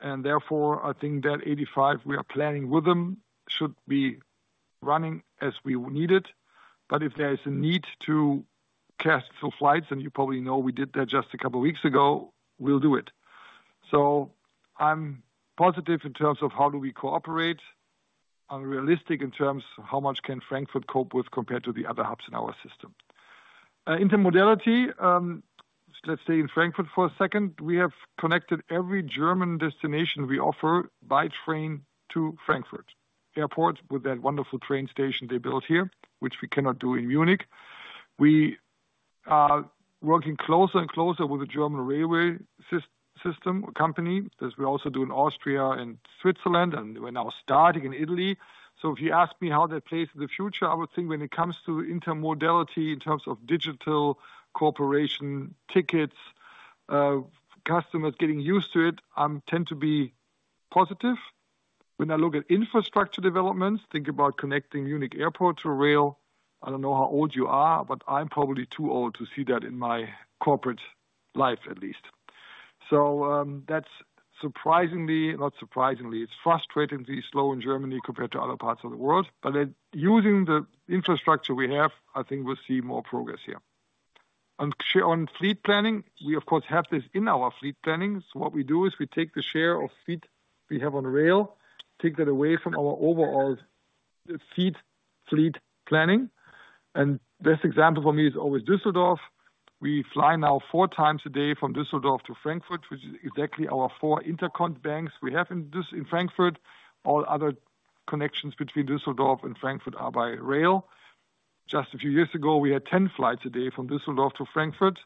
and therefore, I think that 85% we are planning with them should be running as we need it. If there is a need to cancel flights, and you probably know we did that just a couple weeks ago, we'll do it. I'm positive in terms of how do we cooperate. I'm realistic in terms of how much can Frankfurt cope with compared to the other hubs in our system. Intermodality, let's stay in Frankfurt for a second. We have connected every German destination we offer by train to Frankfurt Airport with that wonderful train station they built here, which we cannot do in Munich. We are working closer and closer with the German railway system company, as we also do in Austria and Switzerland, and we're now starting in Italy. If you ask me how that plays in the future, I would think when it comes to intermodality in terms of digital cooperation tickets, customers getting used to it, tend to be positive. When I look at infrastructure developments, think about connecting Munich Airport to rail. I don't know how old you are, but I'm probably too old to see that in my corporate life at least. That's surprisingly, not surprisingly, it's frustratingly slow in Germany compared to other parts of the world. Using the infrastructure we have, I think we'll see more progress here. On fleet planning, we of course have this in our fleet planning. What we do is we take the share of fleet we have on rail, take that away from our overall fleet planning. Best example for me is always Düsseldorf. We fly now 4x a day from Düsseldorf to Frankfurt, which is exactly our four intercont banks we have in Frankfurt. All other connections between Düsseldorf and Frankfurt are by rail. Just a few years ago, we had 10 flights a day from Düsseldorf to Frankfurt.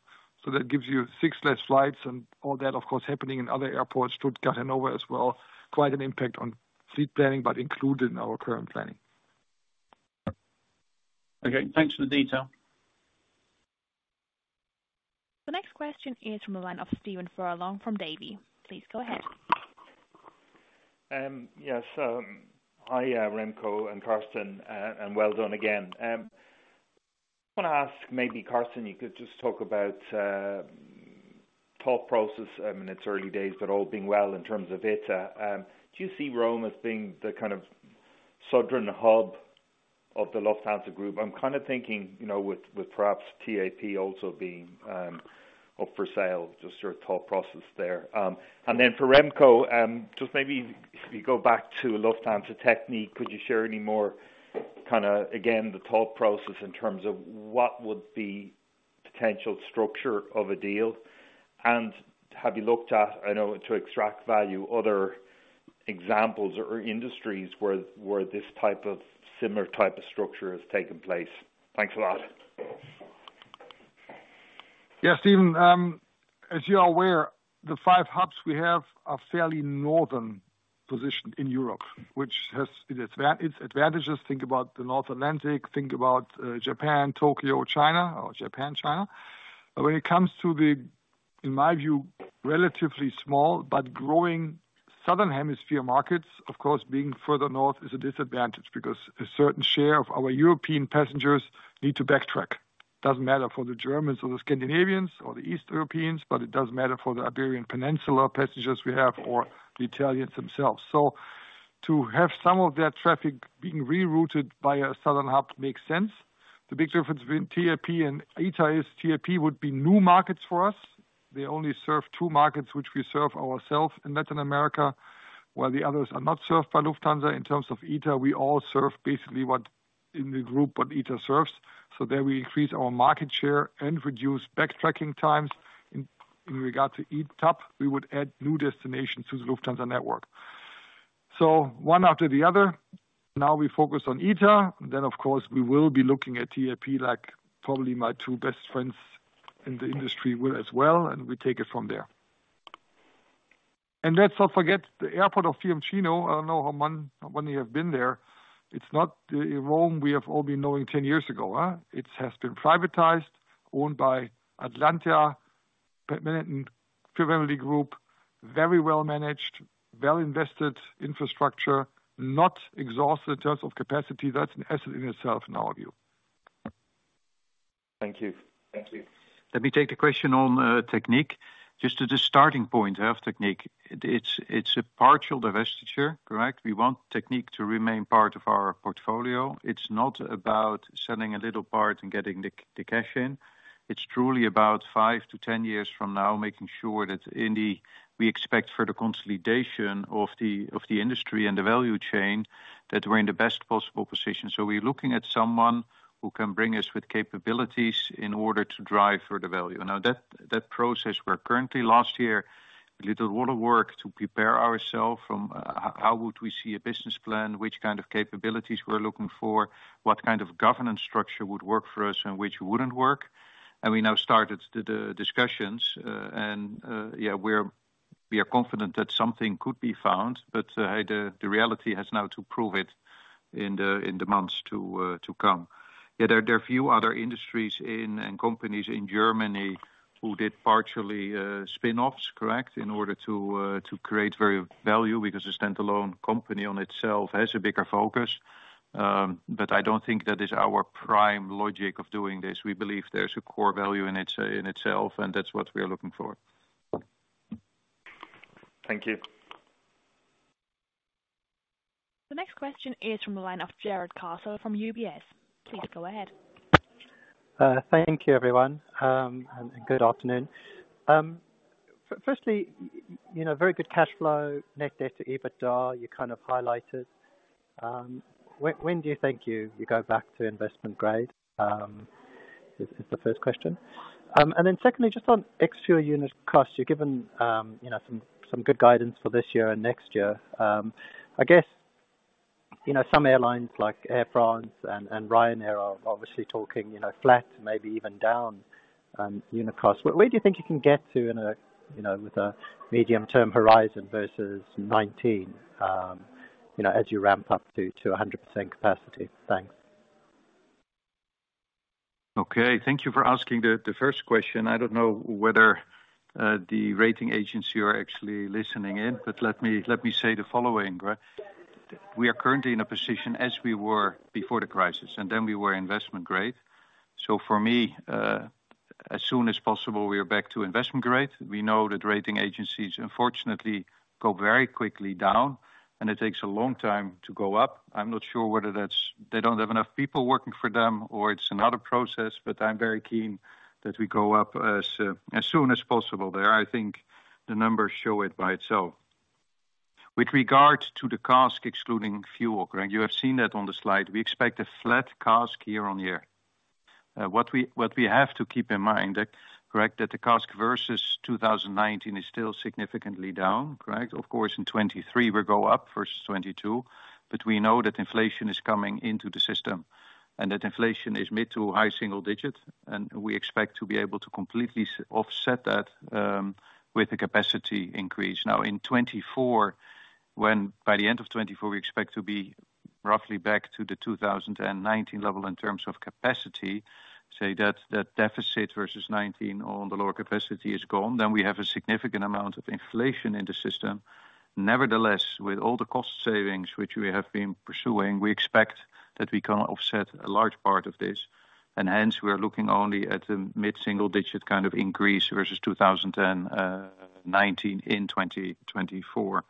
That gives you six less flights and all that of course happening in other airports, Stuttgart and Hanover as well. Quite an impact on fleet planning. Included in our current planning. Okay, thanks for the detail. The next question is from the line of Stephen Furlong from Davy. Please go ahead. Yes. Hi, Remco and Carsten, and well done again. Wanna ask maybe Carsten, you could just talk about thought process. I mean, it's early days, but all being well in terms of ITA, do you see Rome as being the kind of southern hub of the Lufthansa Group? I'm kind of thinking, you know, with perhaps TAP also being up for sale, just your thought process there. Then for Remco, just maybe if you go back to Lufthansa Technik, could you share any more kinda again, the thought process in terms of what would be potential structure of a deal? Have you looked at, I know to extract value, other examples or industries where this type of similar type of structure has taken place? Thanks a lot. Stephen, as you are aware, the five hubs we have are fairly northern positioned in Europe, which has its advantages. Think about the North Atlantic, think about Japan, Tokyo, China, or Japan, China. When it comes to the, in my view, relatively small but growing Southern Hemisphere markets, of course, being further north is a disadvantage because a certain share of our European passengers need to backtrack. Doesn't matter for the Germans or the Scandinavians or the East Europeans, but it does matter for the Iberian Peninsula passengers we have or the Italians themselves. To have some of that traffic being rerouted by a southern hub makes sense. The big difference between TAP and ITA is TAP would be new markets for us. They only serve two markets which we serve ourselves in Latin America, while the others are not served by Lufthansa. In terms of ITA, we all serve basically what in the group ITA serves, we increase our market share and reduce backtracking times. In regard to ITAP, we would add new destinations to the Lufthansa network. One after the other, now we focus on ITA, then of course, we will be looking at TAP, like probably my two best friends in the industry will as well, and we take it from there. Let's not forget the airport of Fiumicino. I don't know how many have been there. It's not the Rome we have all been knowing 10 years ago, huh? It has been privatized, owned by Atlantia, part of Benetton family group, very well managed, well-invested infrastructure, not exhausted in terms of capacity. That's an asset in itself, in our view. Thank you. Thank you. Let me take the question on Technik. Just to the starting point of Technik, it's a partial divestiture, correct? We want Technik to remain part of our portfolio. It's not about selling a little part and getting the cash in. It's truly about five-10 years from now, making sure that in the... We expect further consolidation of the industry and the value chain that we're in the best possible position. We're looking at someone who can bring us with capabilities in order to drive further value. Now, that process we're currently last year, did a lot of work to prepare ourselves from how would we see a business plan, which kind of capabilities we're looking for, what kind of governance structure would work for us and which wouldn't work. We now started the discussions. Yeah, we are confident that something could be found, but the reality has now to prove it in the months to come. Yeah, there are few other industries and companies in Germany who did partially spin-offs, correct? In order to create very value because a standalone company on itself has a bigger focus. I don't think that is our prime logic of doing this. We believe there's a core value in itself, and that's what we are looking for. Thank you. The next question is from the line of Jarrod Castle from UBS. Please go ahead. Thank you everyone, and good afternoon. Firstly, you know, very good cash flow, net debt to EBITDA, you kind of highlighted. When do you think you go back to investment grade? Is the first question. Then secondly, just on ex-fuel unit costs, you're given, you know, some good guidance for this year and next year. I guess, you know, some airlines like Air France and Ryanair are obviously talking, you know, flat, maybe even down unit costs. Where do you think you can get to in a, you know, with a medium-term horizon versus 19, you know, as you ramp up to 100% capacity? Thanks. Okay. Thank you for asking the first question. I don't know whether the rating agency are actually listening in, but let me say the following, right. We are currently in a position as we were before the crisis, and then we were investment grade. For me, as soon as possible, we are back to investment grade. We know that rating agencies unfortunately go very quickly down, and it takes a long time to go up. I'm not sure whether that's they don't have enough people working for them or it's another process, but I'm very keen that we go up as soon as possible there. I think the numbers show it by itself. With regards to the CASK excluding fuel, right. You have seen that on the slide. We expect a flat CASK year-on-year. What we have to keep in mind, correct, that the CASK versus 2019 is still significantly down, correct? Of course, in 2023 we go up versus 2022, but we know that inflation is coming into the system and that inflation is mid to high single digits, and we expect to be able to completely offset that with the capacity increase. Now in 2024, when by the end of 2024, we expect to be roughly back to the 2019 level in terms of capacity, say that deficit versus 2019 on the lower capacity is gone, then we have a significant amount of inflation in the system. Nevertheless, with all the cost savings which we have been pursuing, we expect that we can offset a large part of this, and hence we are looking only at the mid-single digit kind of increase versus 2019 in 2024.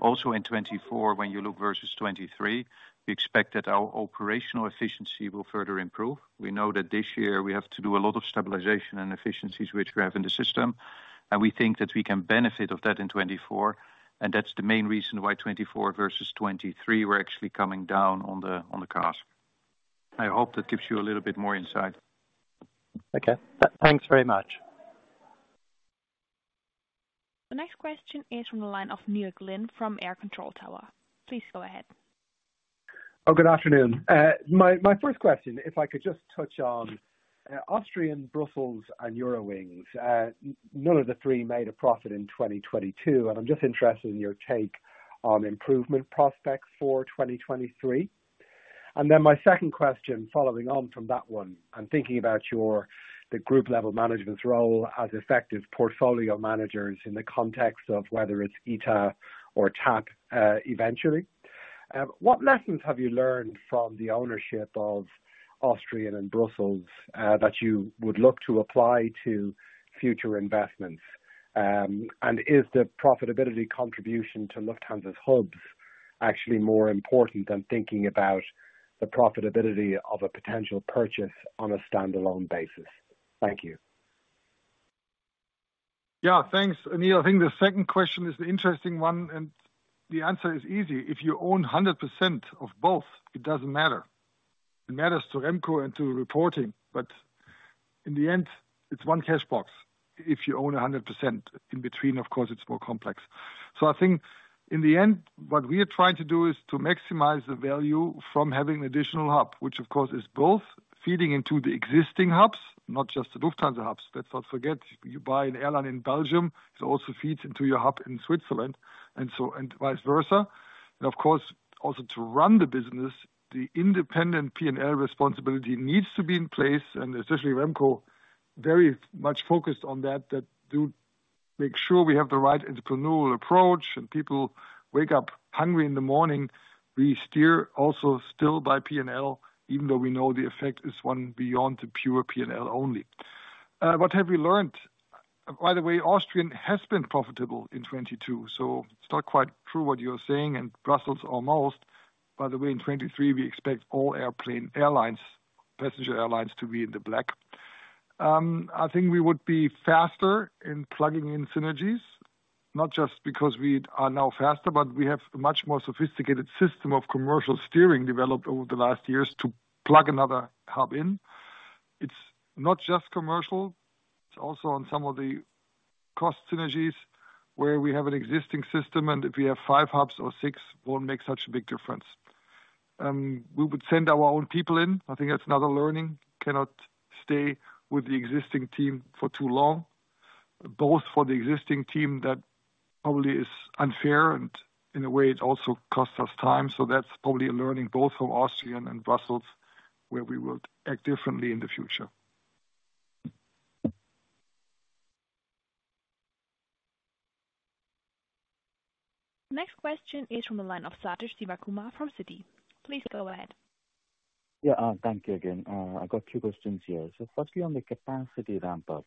Also in 2024, when you look versus 2023, we expect that our operational efficiency will further improve. We know that this year we have to do a lot of stabilization and efficiencies which we have in the system, and we think that we can benefit of that in 2024. That's the main reason why 2024 versus 2023, we're actually coming down on the, on the CASK. I hope that gives you a little bit more insight. Okay. Thanks very much. The next question is from the line of Neil Glynn from Air Control Tower. Please go ahead. Good afternoon. My first question, if I could just touch on Austrian, Brussels, and Eurowings. None of the three made a profit in 2022, I'm just interested in your take on improvement prospects for 2023. My second question, following on from that one, I'm thinking about your, the group level management's role as effective portfolio managers in the context of whether it's ITA or TAP, eventually. What lessons have you learned from the ownership of Austrian and Brussels that you would look to apply to future investments? Is the profitability contribution to Lufthansa's hubs actually more important than thinking about the profitability of a potential purchase on a standalone basis? Thank you. Yeah, thanks, Neil. I think the second question is the interesting one. The answer is easy. If you own 100% of both, it doesn't matter. It matters to Remco and to reporting. In the end, it's one cash box if you own 100%. In between, of course, it's more complex. I think in the end, what we are trying to do is to maximize the value from having additional hub, which of course is both feeding into the existing hubs, not just the Lufthansa hubs. Let's not forget, you buy an airline in Belgium, it also feeds into your hub in Switzerland, and so, and vice versa. Of course, also to run the business, the independent P&L responsibility needs to be in place, and especially Remco, very much focused on that do make sure we have the right entrepreneurial approach and people wake up hungry in the morning. We steer also still by P&L, even though we know the effect is one beyond the pure P&L only. What have we learned? By the way, Austrian has been profitable in 22, so it's not quite true what you're saying, and Brussels almost. By the way, in 23 we expect all airplane airlines, passenger airlines to be in the black. I think we would be faster in plugging in synergies, not just because we are now faster, but we have a much more sophisticated system of commercial steering developed over the last years to plug another hub in. It's not just commercial, it's also on some of the cost synergies where we have an existing system, and if we have five hubs or six, won't make such a big difference. We would send our own people in. I think that's another learning. Cannot stay with the existing team for too long, both for the existing team that probably is unfair and in a way it also costs us time. That's probably a learning both from Austrian and Brussels, where we will act differently in the future. Next question is from the line of Sathish Sivakumar from Citi. Please go ahead. Yeah. Thank you again. I've got two questions here. Firstly on the capacity ramp up.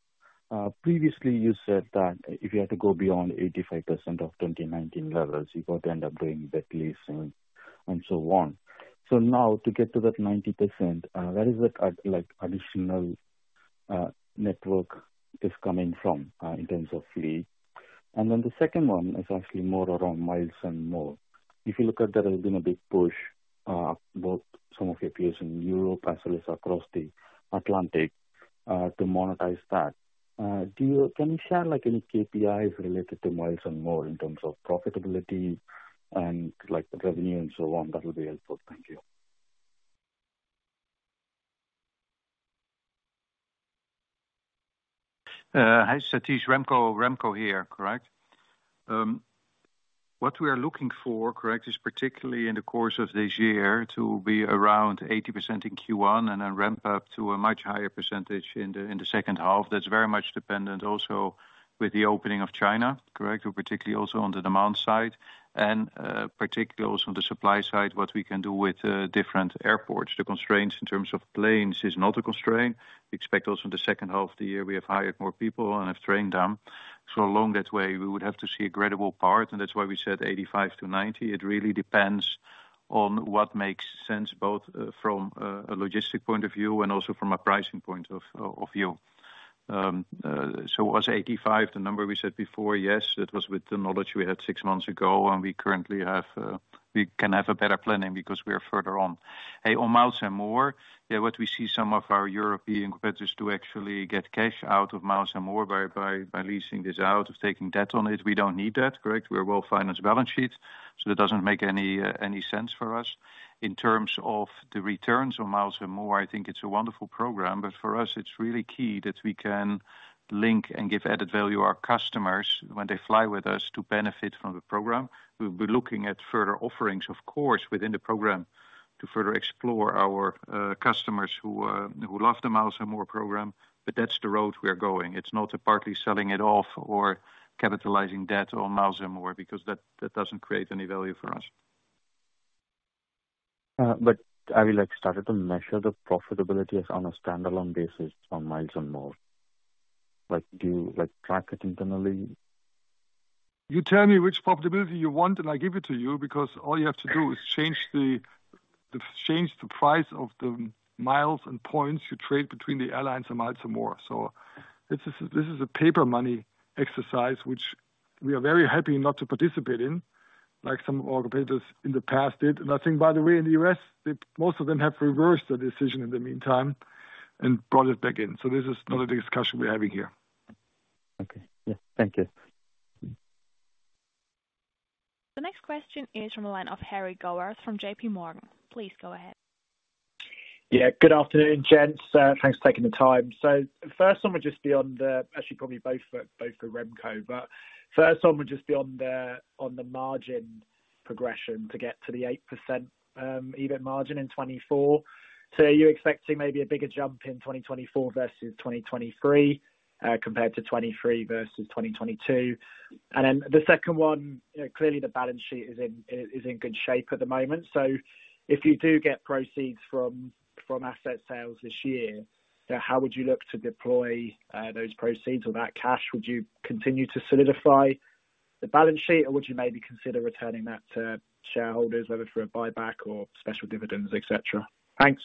Previously you said that if you had to go beyond 85% of 2019 levels, you've got to end up doing the leasing and so on. Now to get to that 90%, where is that at like additional network is coming from in terms of fleet? The second one is actually more around Miles & More. If you look at that, there's been a big push, both some of your peers in Europe as well as across the Atlantic, to monetize that. Do you know, can you share like any KPIs related to Miles & More in terms of profitability and like the revenue and so on? That'll be helpful. Thank you. Hi, Sathish. Remco here, correct? What we are looking for, correct, is particularly in the course of this year to be around 80% in Q1 and then ramp up to a much higher percentage in the second half. That's very much dependent also with the opening of China, correct? Particularly also on the demand side and particularly also on the supply side, what we can do with different airports. The constraints in terms of planes is not a constraint. We expect also in the second half of the year, we have hired more people and have trained them. Along that way we would have to see a gradable part, and that's why we said 85%-90%. It really depends on what makes sense both from a logistic point of view and also from a pricing point of view. Was 85 the number we said before? Yes, it was with the knowledge we had six months ago and we currently have, we can have a better planning because we are further on. On Miles & More, what we see some of our European competitors do actually get cash out of Miles & More by leasing this out, of taking debt on it. We don't need that, correct? We're well-financed balance sheet, that doesn't make any sense for us. In terms of the returns on Miles & More, I think it's a wonderful program. For us it's really key that we can link and give added value to our customers when they fly with us to benefit from the program. We'll be looking at further offerings, of course, within the program to further explore our customers who love the Miles & More program. That's the route we are going. It's not partly selling it off or capitalizing debt on Miles & More because that doesn't create any value for us. Have you like started to measure the profitability as on a standalone basis on Miles & More? Like, do you like track it internally? You tell me which profitability you want and I give it to you because all you have to do is change the price of the miles and points you trade between the airlines and Miles & More. This is a paper money exercise which we are very happy not to participate in like some of our competitors in the past did. I think by the way, in the U.S., most of them have reversed the decision in the meantime and brought it back in. This is not a discussion we're having here. Okay. Yeah. Thank you. The next question is from the line of Harry Gowers from J.P. Morgan. Please go ahead. Good afternoon, gents. Thanks for taking the time. The first one would just be actually probably both for Remco, but first one would just be on the margin progression to get to the 8% EBIT margin in 2024. Are you expecting maybe a bigger jump in 2024 versus 2023, compared to 2023 versus 2022? The second one, you know, clearly the balance sheet is in good shape at the moment. If you do get proceeds from asset sales this year, then how would you look to deploy those proceeds or that cash? Would you continue to solidify the balance sheet, or would you maybe consider returning that to shareholders, whether through a buyback or special dividends, et cetera. Thanks.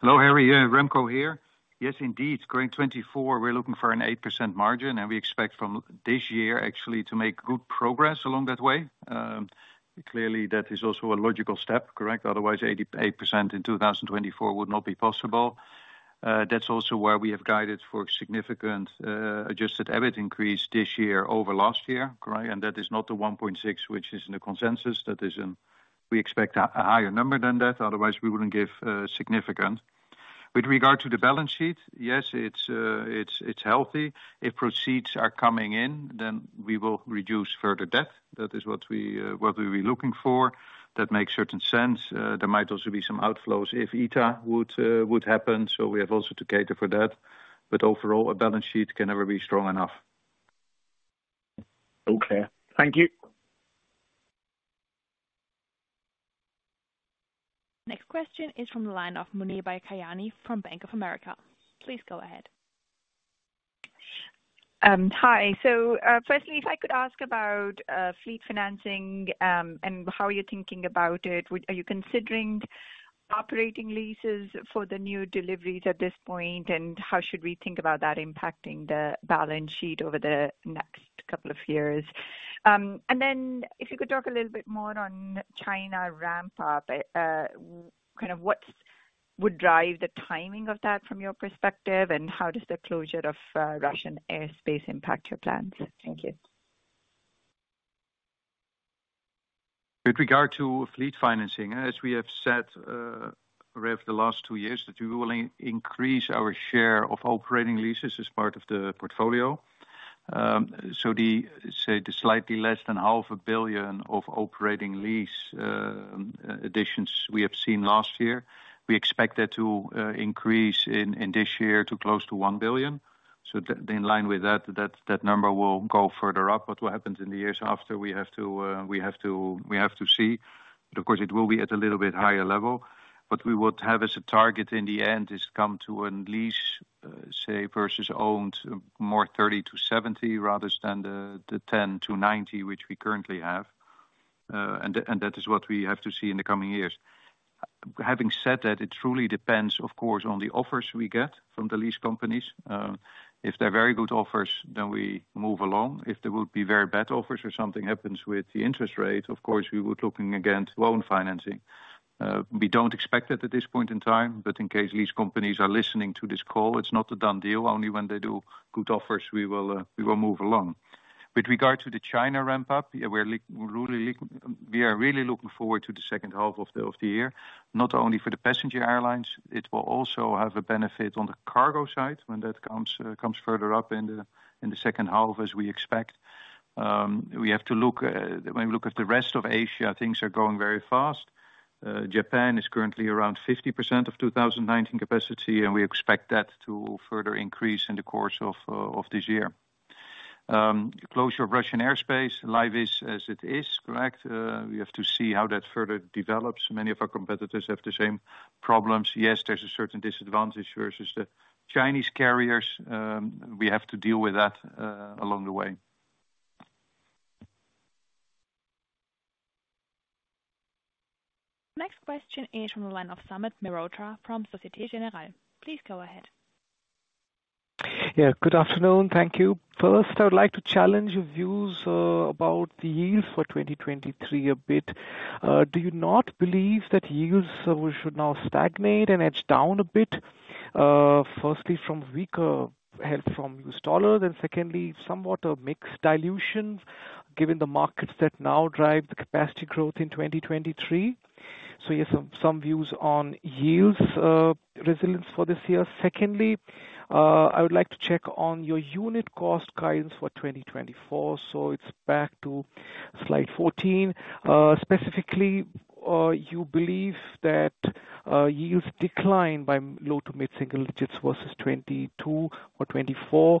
Hello, Harry. Yeah, Remco here. Yes, indeed. Going 2024, we're looking for an 8% margin. We expect from this year actually to make good progress along that way. Clearly that is also a logical step, correct? Otherwise 88% in 2024 would not be possible. That's also why we have guided for significant Adjusted EBIT increase this year over last year, correct? That is not the 1.6 billion, which is in the consensus. That is in. We expect a higher number than that, otherwise we wouldn't give significant. With regard to the balance sheet, yes, it's healthy. If proceeds are coming in, then we will reduce further debt. That is what we were looking for. That makes certain sense. There might also be some outflows if ITA would happen, so we have also to cater for that. Overall, a balance sheet can never be strong enough. All clear. Thank you. Next question is from the line of Muneeba Kayani from Bank of America. Please go ahead. Hi. Firstly, if I could ask about fleet financing, and how you're thinking about it. Are you considering operating leases for the new deliveries at this point? How should we think about that impacting the balance sheet over the next couple of years? If you could talk a little bit more on China ramp up, kind of what would drive the timing of that from your perspective, and how does the closure of Russian airspace impact your plans? Thank you. With regard to fleet financing, as we have said, over the last two years, that we will increase our share of operating leases as part of the portfolio. The slightly less than EUR 500 milion of operating lease additions we have seen last year, we expect that to increase in this year to close to 1 billion EUR. In line with that number will go further up. What happens in the years after, we have to see. Of course, it will be at a little bit higher level. What we would have as a target in the end is come to an lease versus owned more 30-70, rather than the 10-90, which we currently have. That is what we have to see in the coming years. Having said that, it truly depends, of course, on the offers we get from the lease companies. If they're very good offers, then we move along. If there would be very bad offers or something happens with the interest rate, of course, we were looking again to loan financing. We don't expect that at this point in time, but in case lease companies are listening to this call, it's not a done deal. Only when they do good offers we will move along. With regard to the China ramp up, we are really looking forward to the second half of the year, not only for the passenger airlines, it will also have a benefit on the cargo side when that comes further up in the second half as we expect. We have to look when we look at the rest of Asia, things are going very fast. Japan is currently around 50% of 2019 capacity, and we expect that to further increase in the course of this year. Closure of Russian airspace, life is as it is, correct? We have to see how that further develops. Many of our competitors have the same problems. Yes, there's a certain disadvantage versus the Chinese carriers. We have to deal with that along the way. Next question is from the line of Sumit Mehrotra from Société Générale. Please go ahead. Good afternoon. Thank you. First, I would like to challenge your views about the yields for 2023 a bit. Do you not believe that yields should now stagnate and edge down a bit? Firstly, from weaker head from U.S. dollar. Secondly, somewhat a mixed dilution given the markets that now drive the capacity growth in 2023. Some views on yields resilience for this year. Secondly, I would like to check on your unit cost guidance for 2024. It's back to slide 14. Specifically, you believe that yields decline by low to mid-single digits versus 2022 or 2024.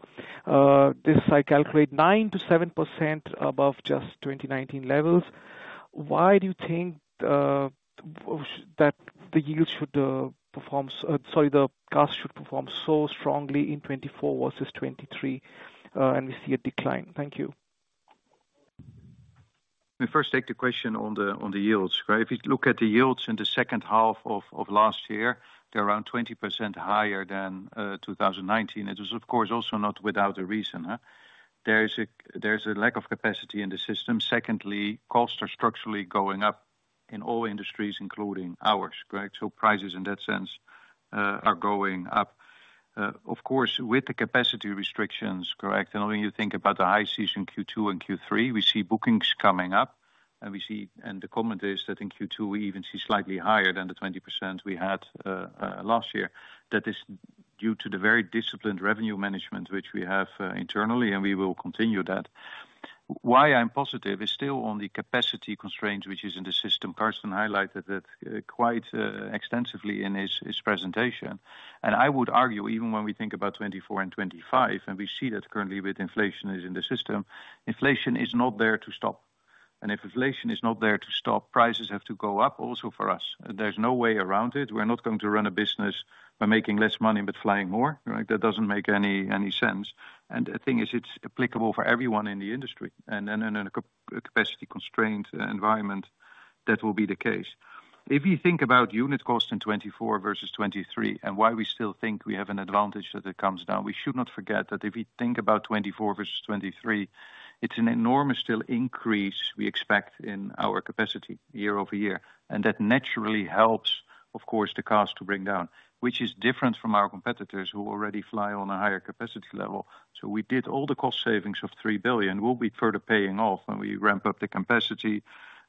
This I calculate 9%-7% above just 2019 levels. Why do you think that the yields should perform sorry, the cost should perform so strongly in 2024 versus 2023, and we see a decline? Thank you. Let me first take the question on the yields. Right? If you look at the yields in the second half of last year, they're around 20% higher than 2019. It was, of course, also not without a reason, huh? There is a lack of capacity in the system. Secondly, costs are structurally going up in all industries, including ours, correct? Prices, in that sense, are going up. Of course, with the capacity restrictions, correct? When you think about the high season Q2 and Q3, we see bookings coming up, and we see. The comment is that in Q2 we even see slightly higher than the 20% we had last year. That is due to the very disciplined revenue management which we have internally, and we will continue that. Why I'm positive is still on the capacity constraints which is in the system. Carsten highlighted it quite extensively in his presentation. I would argue, even when we think about 2024 and 2025, we see that currently with inflation is in the system, inflation is not there to stop. If inflation is not there to stop, prices have to go up also for us. There's no way around it. We're not going to run a business by making less money but flying more, right? That doesn't make any sense. The thing is, it's applicable for everyone in the industry. Then in a capacity constraint environment, that will be the case. If you think about unit cost in 2024 versus 2023 and why we still think we have an advantage that it comes down, we should not forget that if you think about 2024 versus 2023, it's an enormous still increase we expect in our capacity year-over-year. That naturally helps, of course, the cost to bring down, which is different from our competitors who already fly on a higher capacity level. We did all the cost savings of 3 billion. We'll be further paying off when we ramp up the capacity.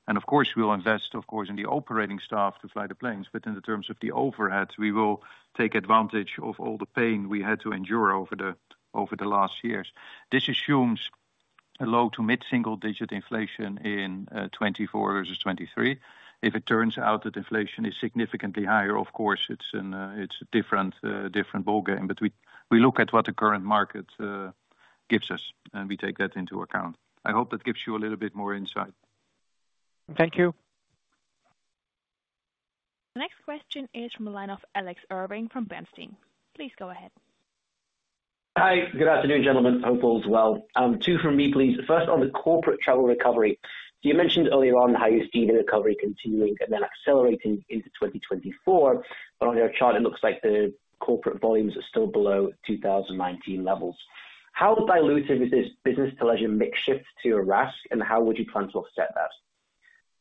Of course, we'll invest, of course, in the operating staff to fly the planes. In the terms of the overhead, we will take advantage of all the pain we had to endure over the last years. This assumes a low to mid-single digit inflation in 2024 versus 2023. If it turns out that inflation is significantly higher, of course, it's a different ballgame. We look at what the current market gives us, and we take that into account. I hope that gives you a little bit more insight. Thank you. The next question is from the line of Alex Irving from Bernstein. Please go ahead. Hi. Good afternoon, gentlemen. Hope all is well. Two from me, please. First, on the corporate travel recovery, you mentioned earlier on how you're seeing the recovery continuing and then accelerating into 2024. On your chart, it looks like the corporate volumes are still below 2019 levels. How dilutive is this business to leisure mix shift to your RASK, and how would you plan to offset that?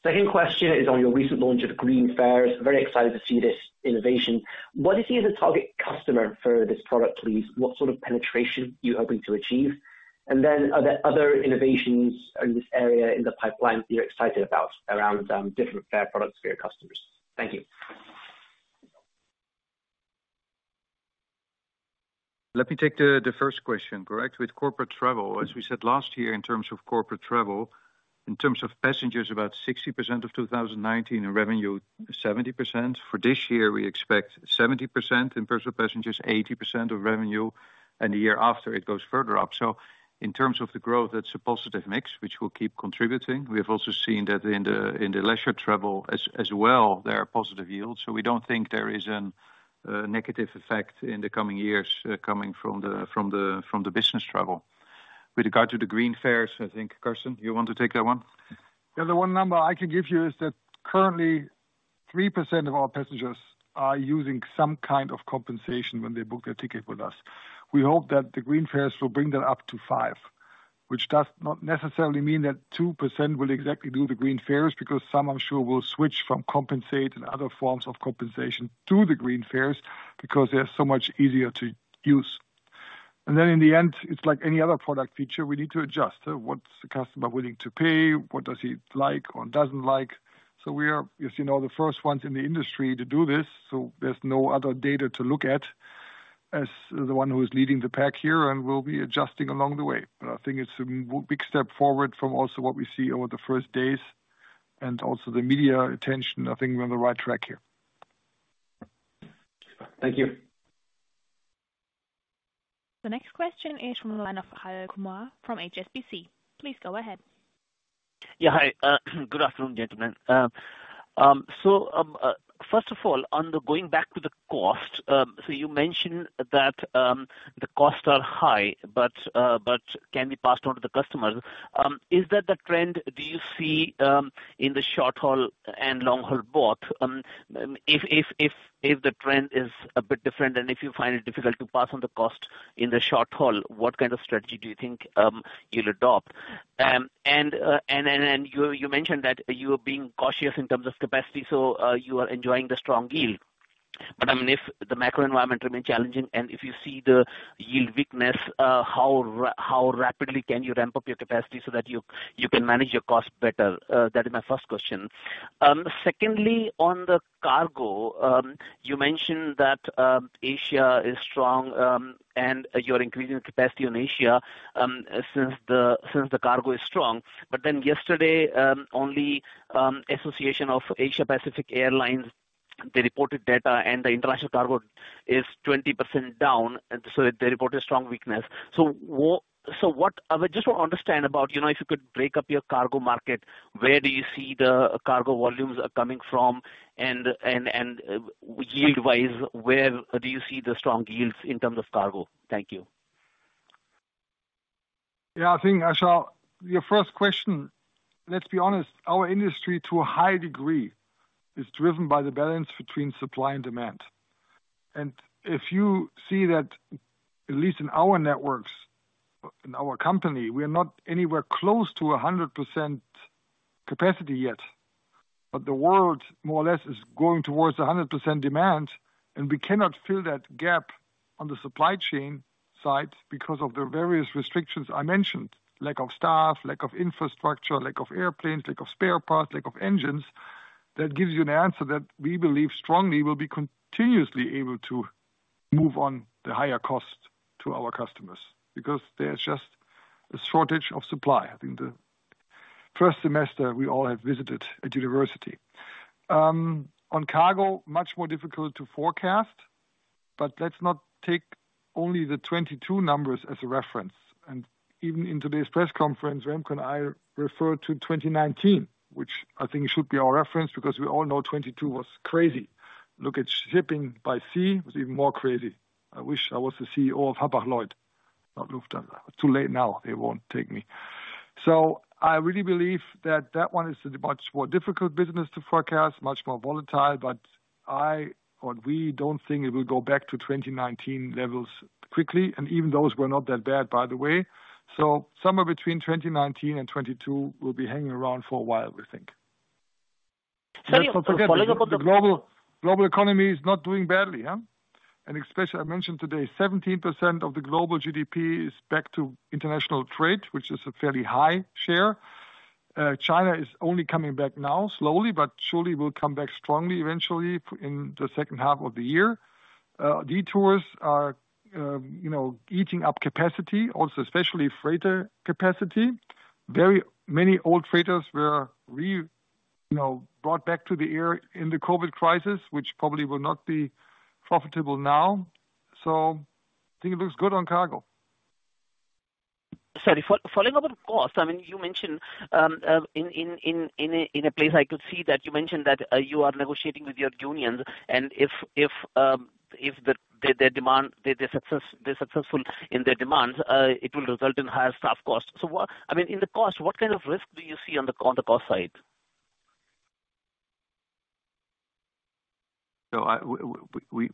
Second question is on your recent launch of Green Fares. Very excited to see this innovation. What is the target customer for this product, please? What sort of penetration are you hoping to achieve? Are there other innovations in this area in the pipeline that you're excited about around different fare products for your customers? Thank you. Let me take the first question, correct? With corporate travel, as we said last year, in terms of corporate travel, in terms of passengers, about 60% of 2019, and revenue 70%. For this year, we expect 70% in personal passengers, 80% of revenue, and the year after it goes further up. In terms of the growth, that's a positive mix which will keep contributing. We have also seen that in the leisure travel as well, there are positive yields. We don't think there is a negative effect in the coming years coming from the business travel. With regard to the Green Fares, I think, Carsten, you want to take that one? Yeah. The one number I can give you is that currently 3% of our passengers are using some kind of compensation when they book their ticket with us. We hope that the Green Fares will bring that up to five, which does not necessarily mean that 2% will exactly do the Green Fares, because some, I'm sure, will switch from compensate and other forms of compensation to the Green Fares because they are so much easier to use. In the end, it's like any other product feature, we need to adjust. What's the customer willing to pay? What does he like or doesn't like? We are, as you know, the first ones in the industry to do this, so there's no other data to look at as the one who is leading the pack here, and we'll be adjusting along the way. I think it's a big step forward from also what we see over the first days and also the media attention. I think we're on the right track here. Thank you. The next question is from the line of Achal Kumar from HSBC. Please go ahead. Yeah. Hi. Good afternoon, gentlemen. First of all, on the going back to the cost, you mentioned that the costs are high, but can be passed on to the customers. Is that the trend, do you see in the short-haul and long-haul both? If the trend is a bit different, and if you find it difficult to pass on the cost in the short haul, what kind of strategy do you think you'll adopt? You mentioned that you are being cautious in terms of capacity, you are enjoying the strong yield. I mean, if the macro environment remains challenging and if you see the yield weakness, how rapidly can you ramp up your capacity so that you can manage your costs better? That is my first question. Secondly, on the cargo, you mentioned that Asia is strong, and you're increasing capacity in Asia, since the cargo is strong. Yesterday, on the Association of Asia Pacific Airlines, they reported data, and the international cargo is 20% down, and so they reported strong weakness. I just want to understand about, you know, if you could break up your cargo market, where do you see the cargo volumes are coming from? Yield-wise, where do you see the strong yields in terms of cargo? Thank you. Yeah. I think, Achal, your first question, let's be honest, our industry, to a high degree, is driven by the balance between supply and demand. If you see that, at least in our networks, in our company, we are not anywhere close to 100% capacity yet. The world, more or less, is going towards 100% demand, and we cannot fill that gap on the supply chain side because of the various restrictions I mentioned, lack of staff, lack of infrastructure, lack of airplanes, lack of spare parts, lack of engines. That gives you an answer that we believe strongly we'll be continuously able to. Move on the higher cost to our customers because there's just a shortage of supply. I think the first semester we all have visited a university. On cargo, much more difficult to forecast, but let's not take only the 22 numbers as a reference. Even in today's press conference, Remco and I refer to 2019, which I think should be our reference because we all know 22 was crazy. Look at shipping by sea, it was even more crazy. I wish I was the CEO of Hapag-Lloyd, not Lufthansa. Too late now, they won't take me. I really believe that that one is a much more difficult business to forecast, much more volatile. I or we don't think it will go back to 2019 levels quickly, and even those were not that bad, by the way. Somewhere between 2019 and 2022, we'll be hanging around for a while, we think. Sorry, following up on. The global economy is not doing badly, yeah. Especially I mentioned today 17% of the global GDP is back to international trade, which is a fairly high share. China is only coming back now, slowly, but surely will come back strongly eventually in the second half of the year. Detours are, you know, eating up capacity also, especially freighter capacity. Very many old freighters were, you know, brought back to the air in the COVID crisis, which probably will not be profitable now. I think it looks good on cargo. Sorry, following up on cost. I mean, you mentioned that you are negotiating with your unions, and if the their demand, they're successful in their demands, it will result in higher staff costs. What I mean, in the cost, what kind of risk do you see on the cost side?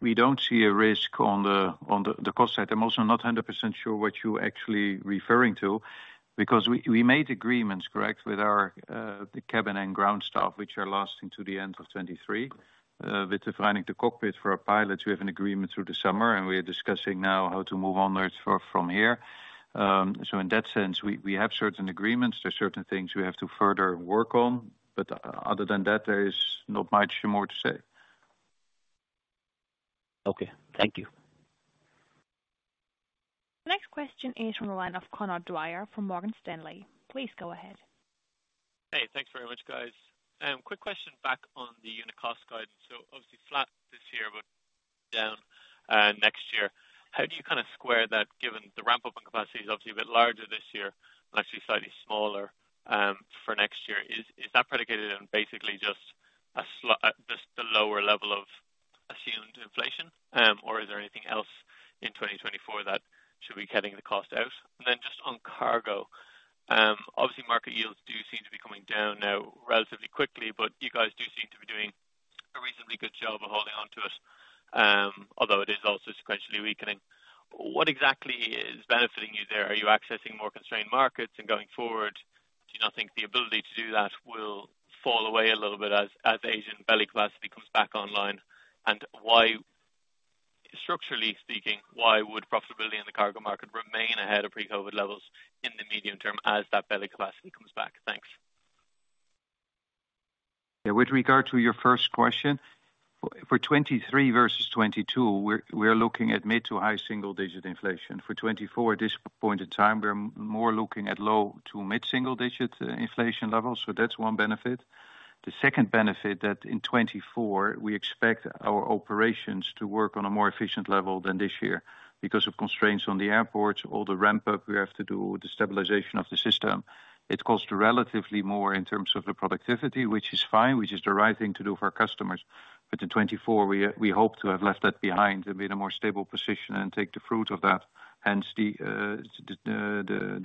We don't see a risk on the cost side. I'm also not 100% sure what you're actually referring to because we made agreements, correct, with our the cabin and ground staff, which are lasting to the end of 23. With the cockpit for our pilots, we have an agreement through the summer, and we are discussing now how to move onwards for from here. In that sense, we have certain agreements. There are certain things we have to further work on, but other than that, there is not much more to say. Okay, thank you. Next question is from the line of Conor Dwyer from Morgan Stanley. Please go ahead. Hey, thanks very much, guys. Quick question back on the unit cost guide. Obviously flat this year, but down next year. How do you kind of square that, given the ramp-up in capacity is obviously a bit larger this year and actually slightly smaller for next year? Is that predicated on basically just the lower level of assumed inflation, or is there anything else in 2024 that should be cutting the cost out? Just on cargo, obviously market yields do seem to be coming down now relatively quickly, but you guys do seem to be doing a reasonably good job of holding on to it, although it is also sequentially weakening. What exactly is benefiting you there? Are you accessing more constrained markets? Going forward, do you not think the ability to do that will fall away a little bit as Asian belly capacity comes back online? Why, structurally speaking, why would profitability in the cargo market remain ahead of pre-COVID levels in the medium term as that belly capacity comes back? Thanks. With regard to your first question, for 23 versus 22, we're looking at mid to high single digit inflation. For 24 at this point in time, we're more looking at low to mid single digit inflation levels. That's one benefit. The second benefit that in 24 we expect our operations to work on a more efficient level than this year because of constraints on the airports, all the ramp up we have to do, the stabilization of the system. It costs relatively more in terms of the productivity, which is fine, which is the right thing to do for our customers. In 24 we hope to have left that behind and be in a more stable position and take the fruit of that, hence the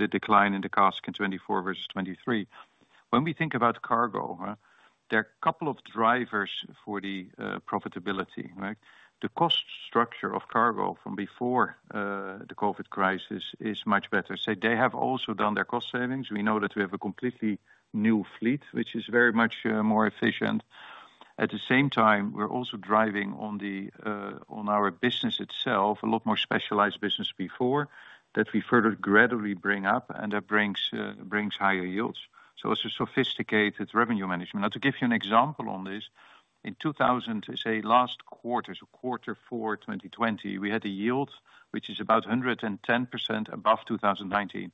decline in the cost in 24 versus 23. When we think about cargo, there are a couple of drivers for the profitability, right? The cost structure of cargo from before the COVID crisis is much better. They have also done their cost savings. We know that we have a completely new fleet, which is very much more efficient. At the same time, we're also driving on our business itself, a lot more specialized business before that we further gradually bring up, and that brings higher yields. It's a sophisticated revenue management. To give you an example on this, quarter four, 2020, we had a yield which is about 110% above 2019.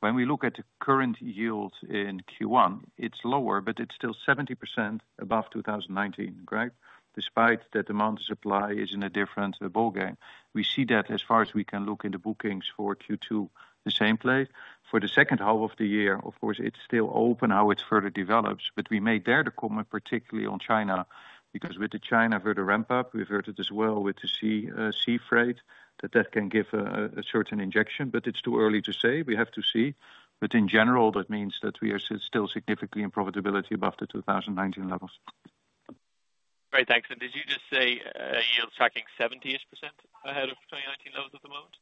When we look at the current yield in Q1, it's lower, but it's still 70% above 2019, right? Despite that demand supply is in a different ballgame. We see that as far as we can look in the bookings for Q2, the same place. For the second half of the year, of course, it's still open how it further develops. We made there the comment particularly on China because with the China further ramp up, we've heard it as well with the sea freight that can give a certain injection, but it's too early to say. We have to see. In general, that means that we are still significantly in profitability above the 2019 levels. Great. Thanks. Did you just say, yields tracking 70-ish% ahead of 2019 levels at the moment?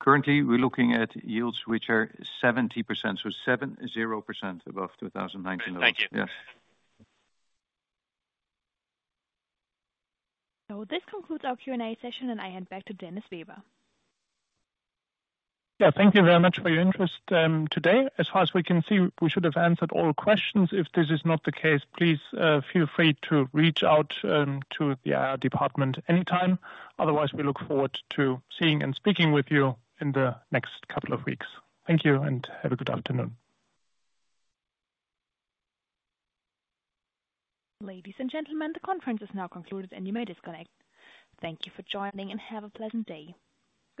Currently, we're looking at yields which are 70%, so 70% above 2019 levels. Thank you. Yes. This concludes our Q&A session, and I hand back to Dennis Weber. Thank you very much for your interest today. As far as we can see, we should have answered all questions. If this is not the case, please feel free to reach out to the IR department anytime. Otherwise, we look forward to seeing and speaking with you in the next couple of weeks. Thank you, and have a good afternoon. Ladies and gentlemen, the conference is now concluded and you may disconnect. Thank you for joining, and have a pleasant day.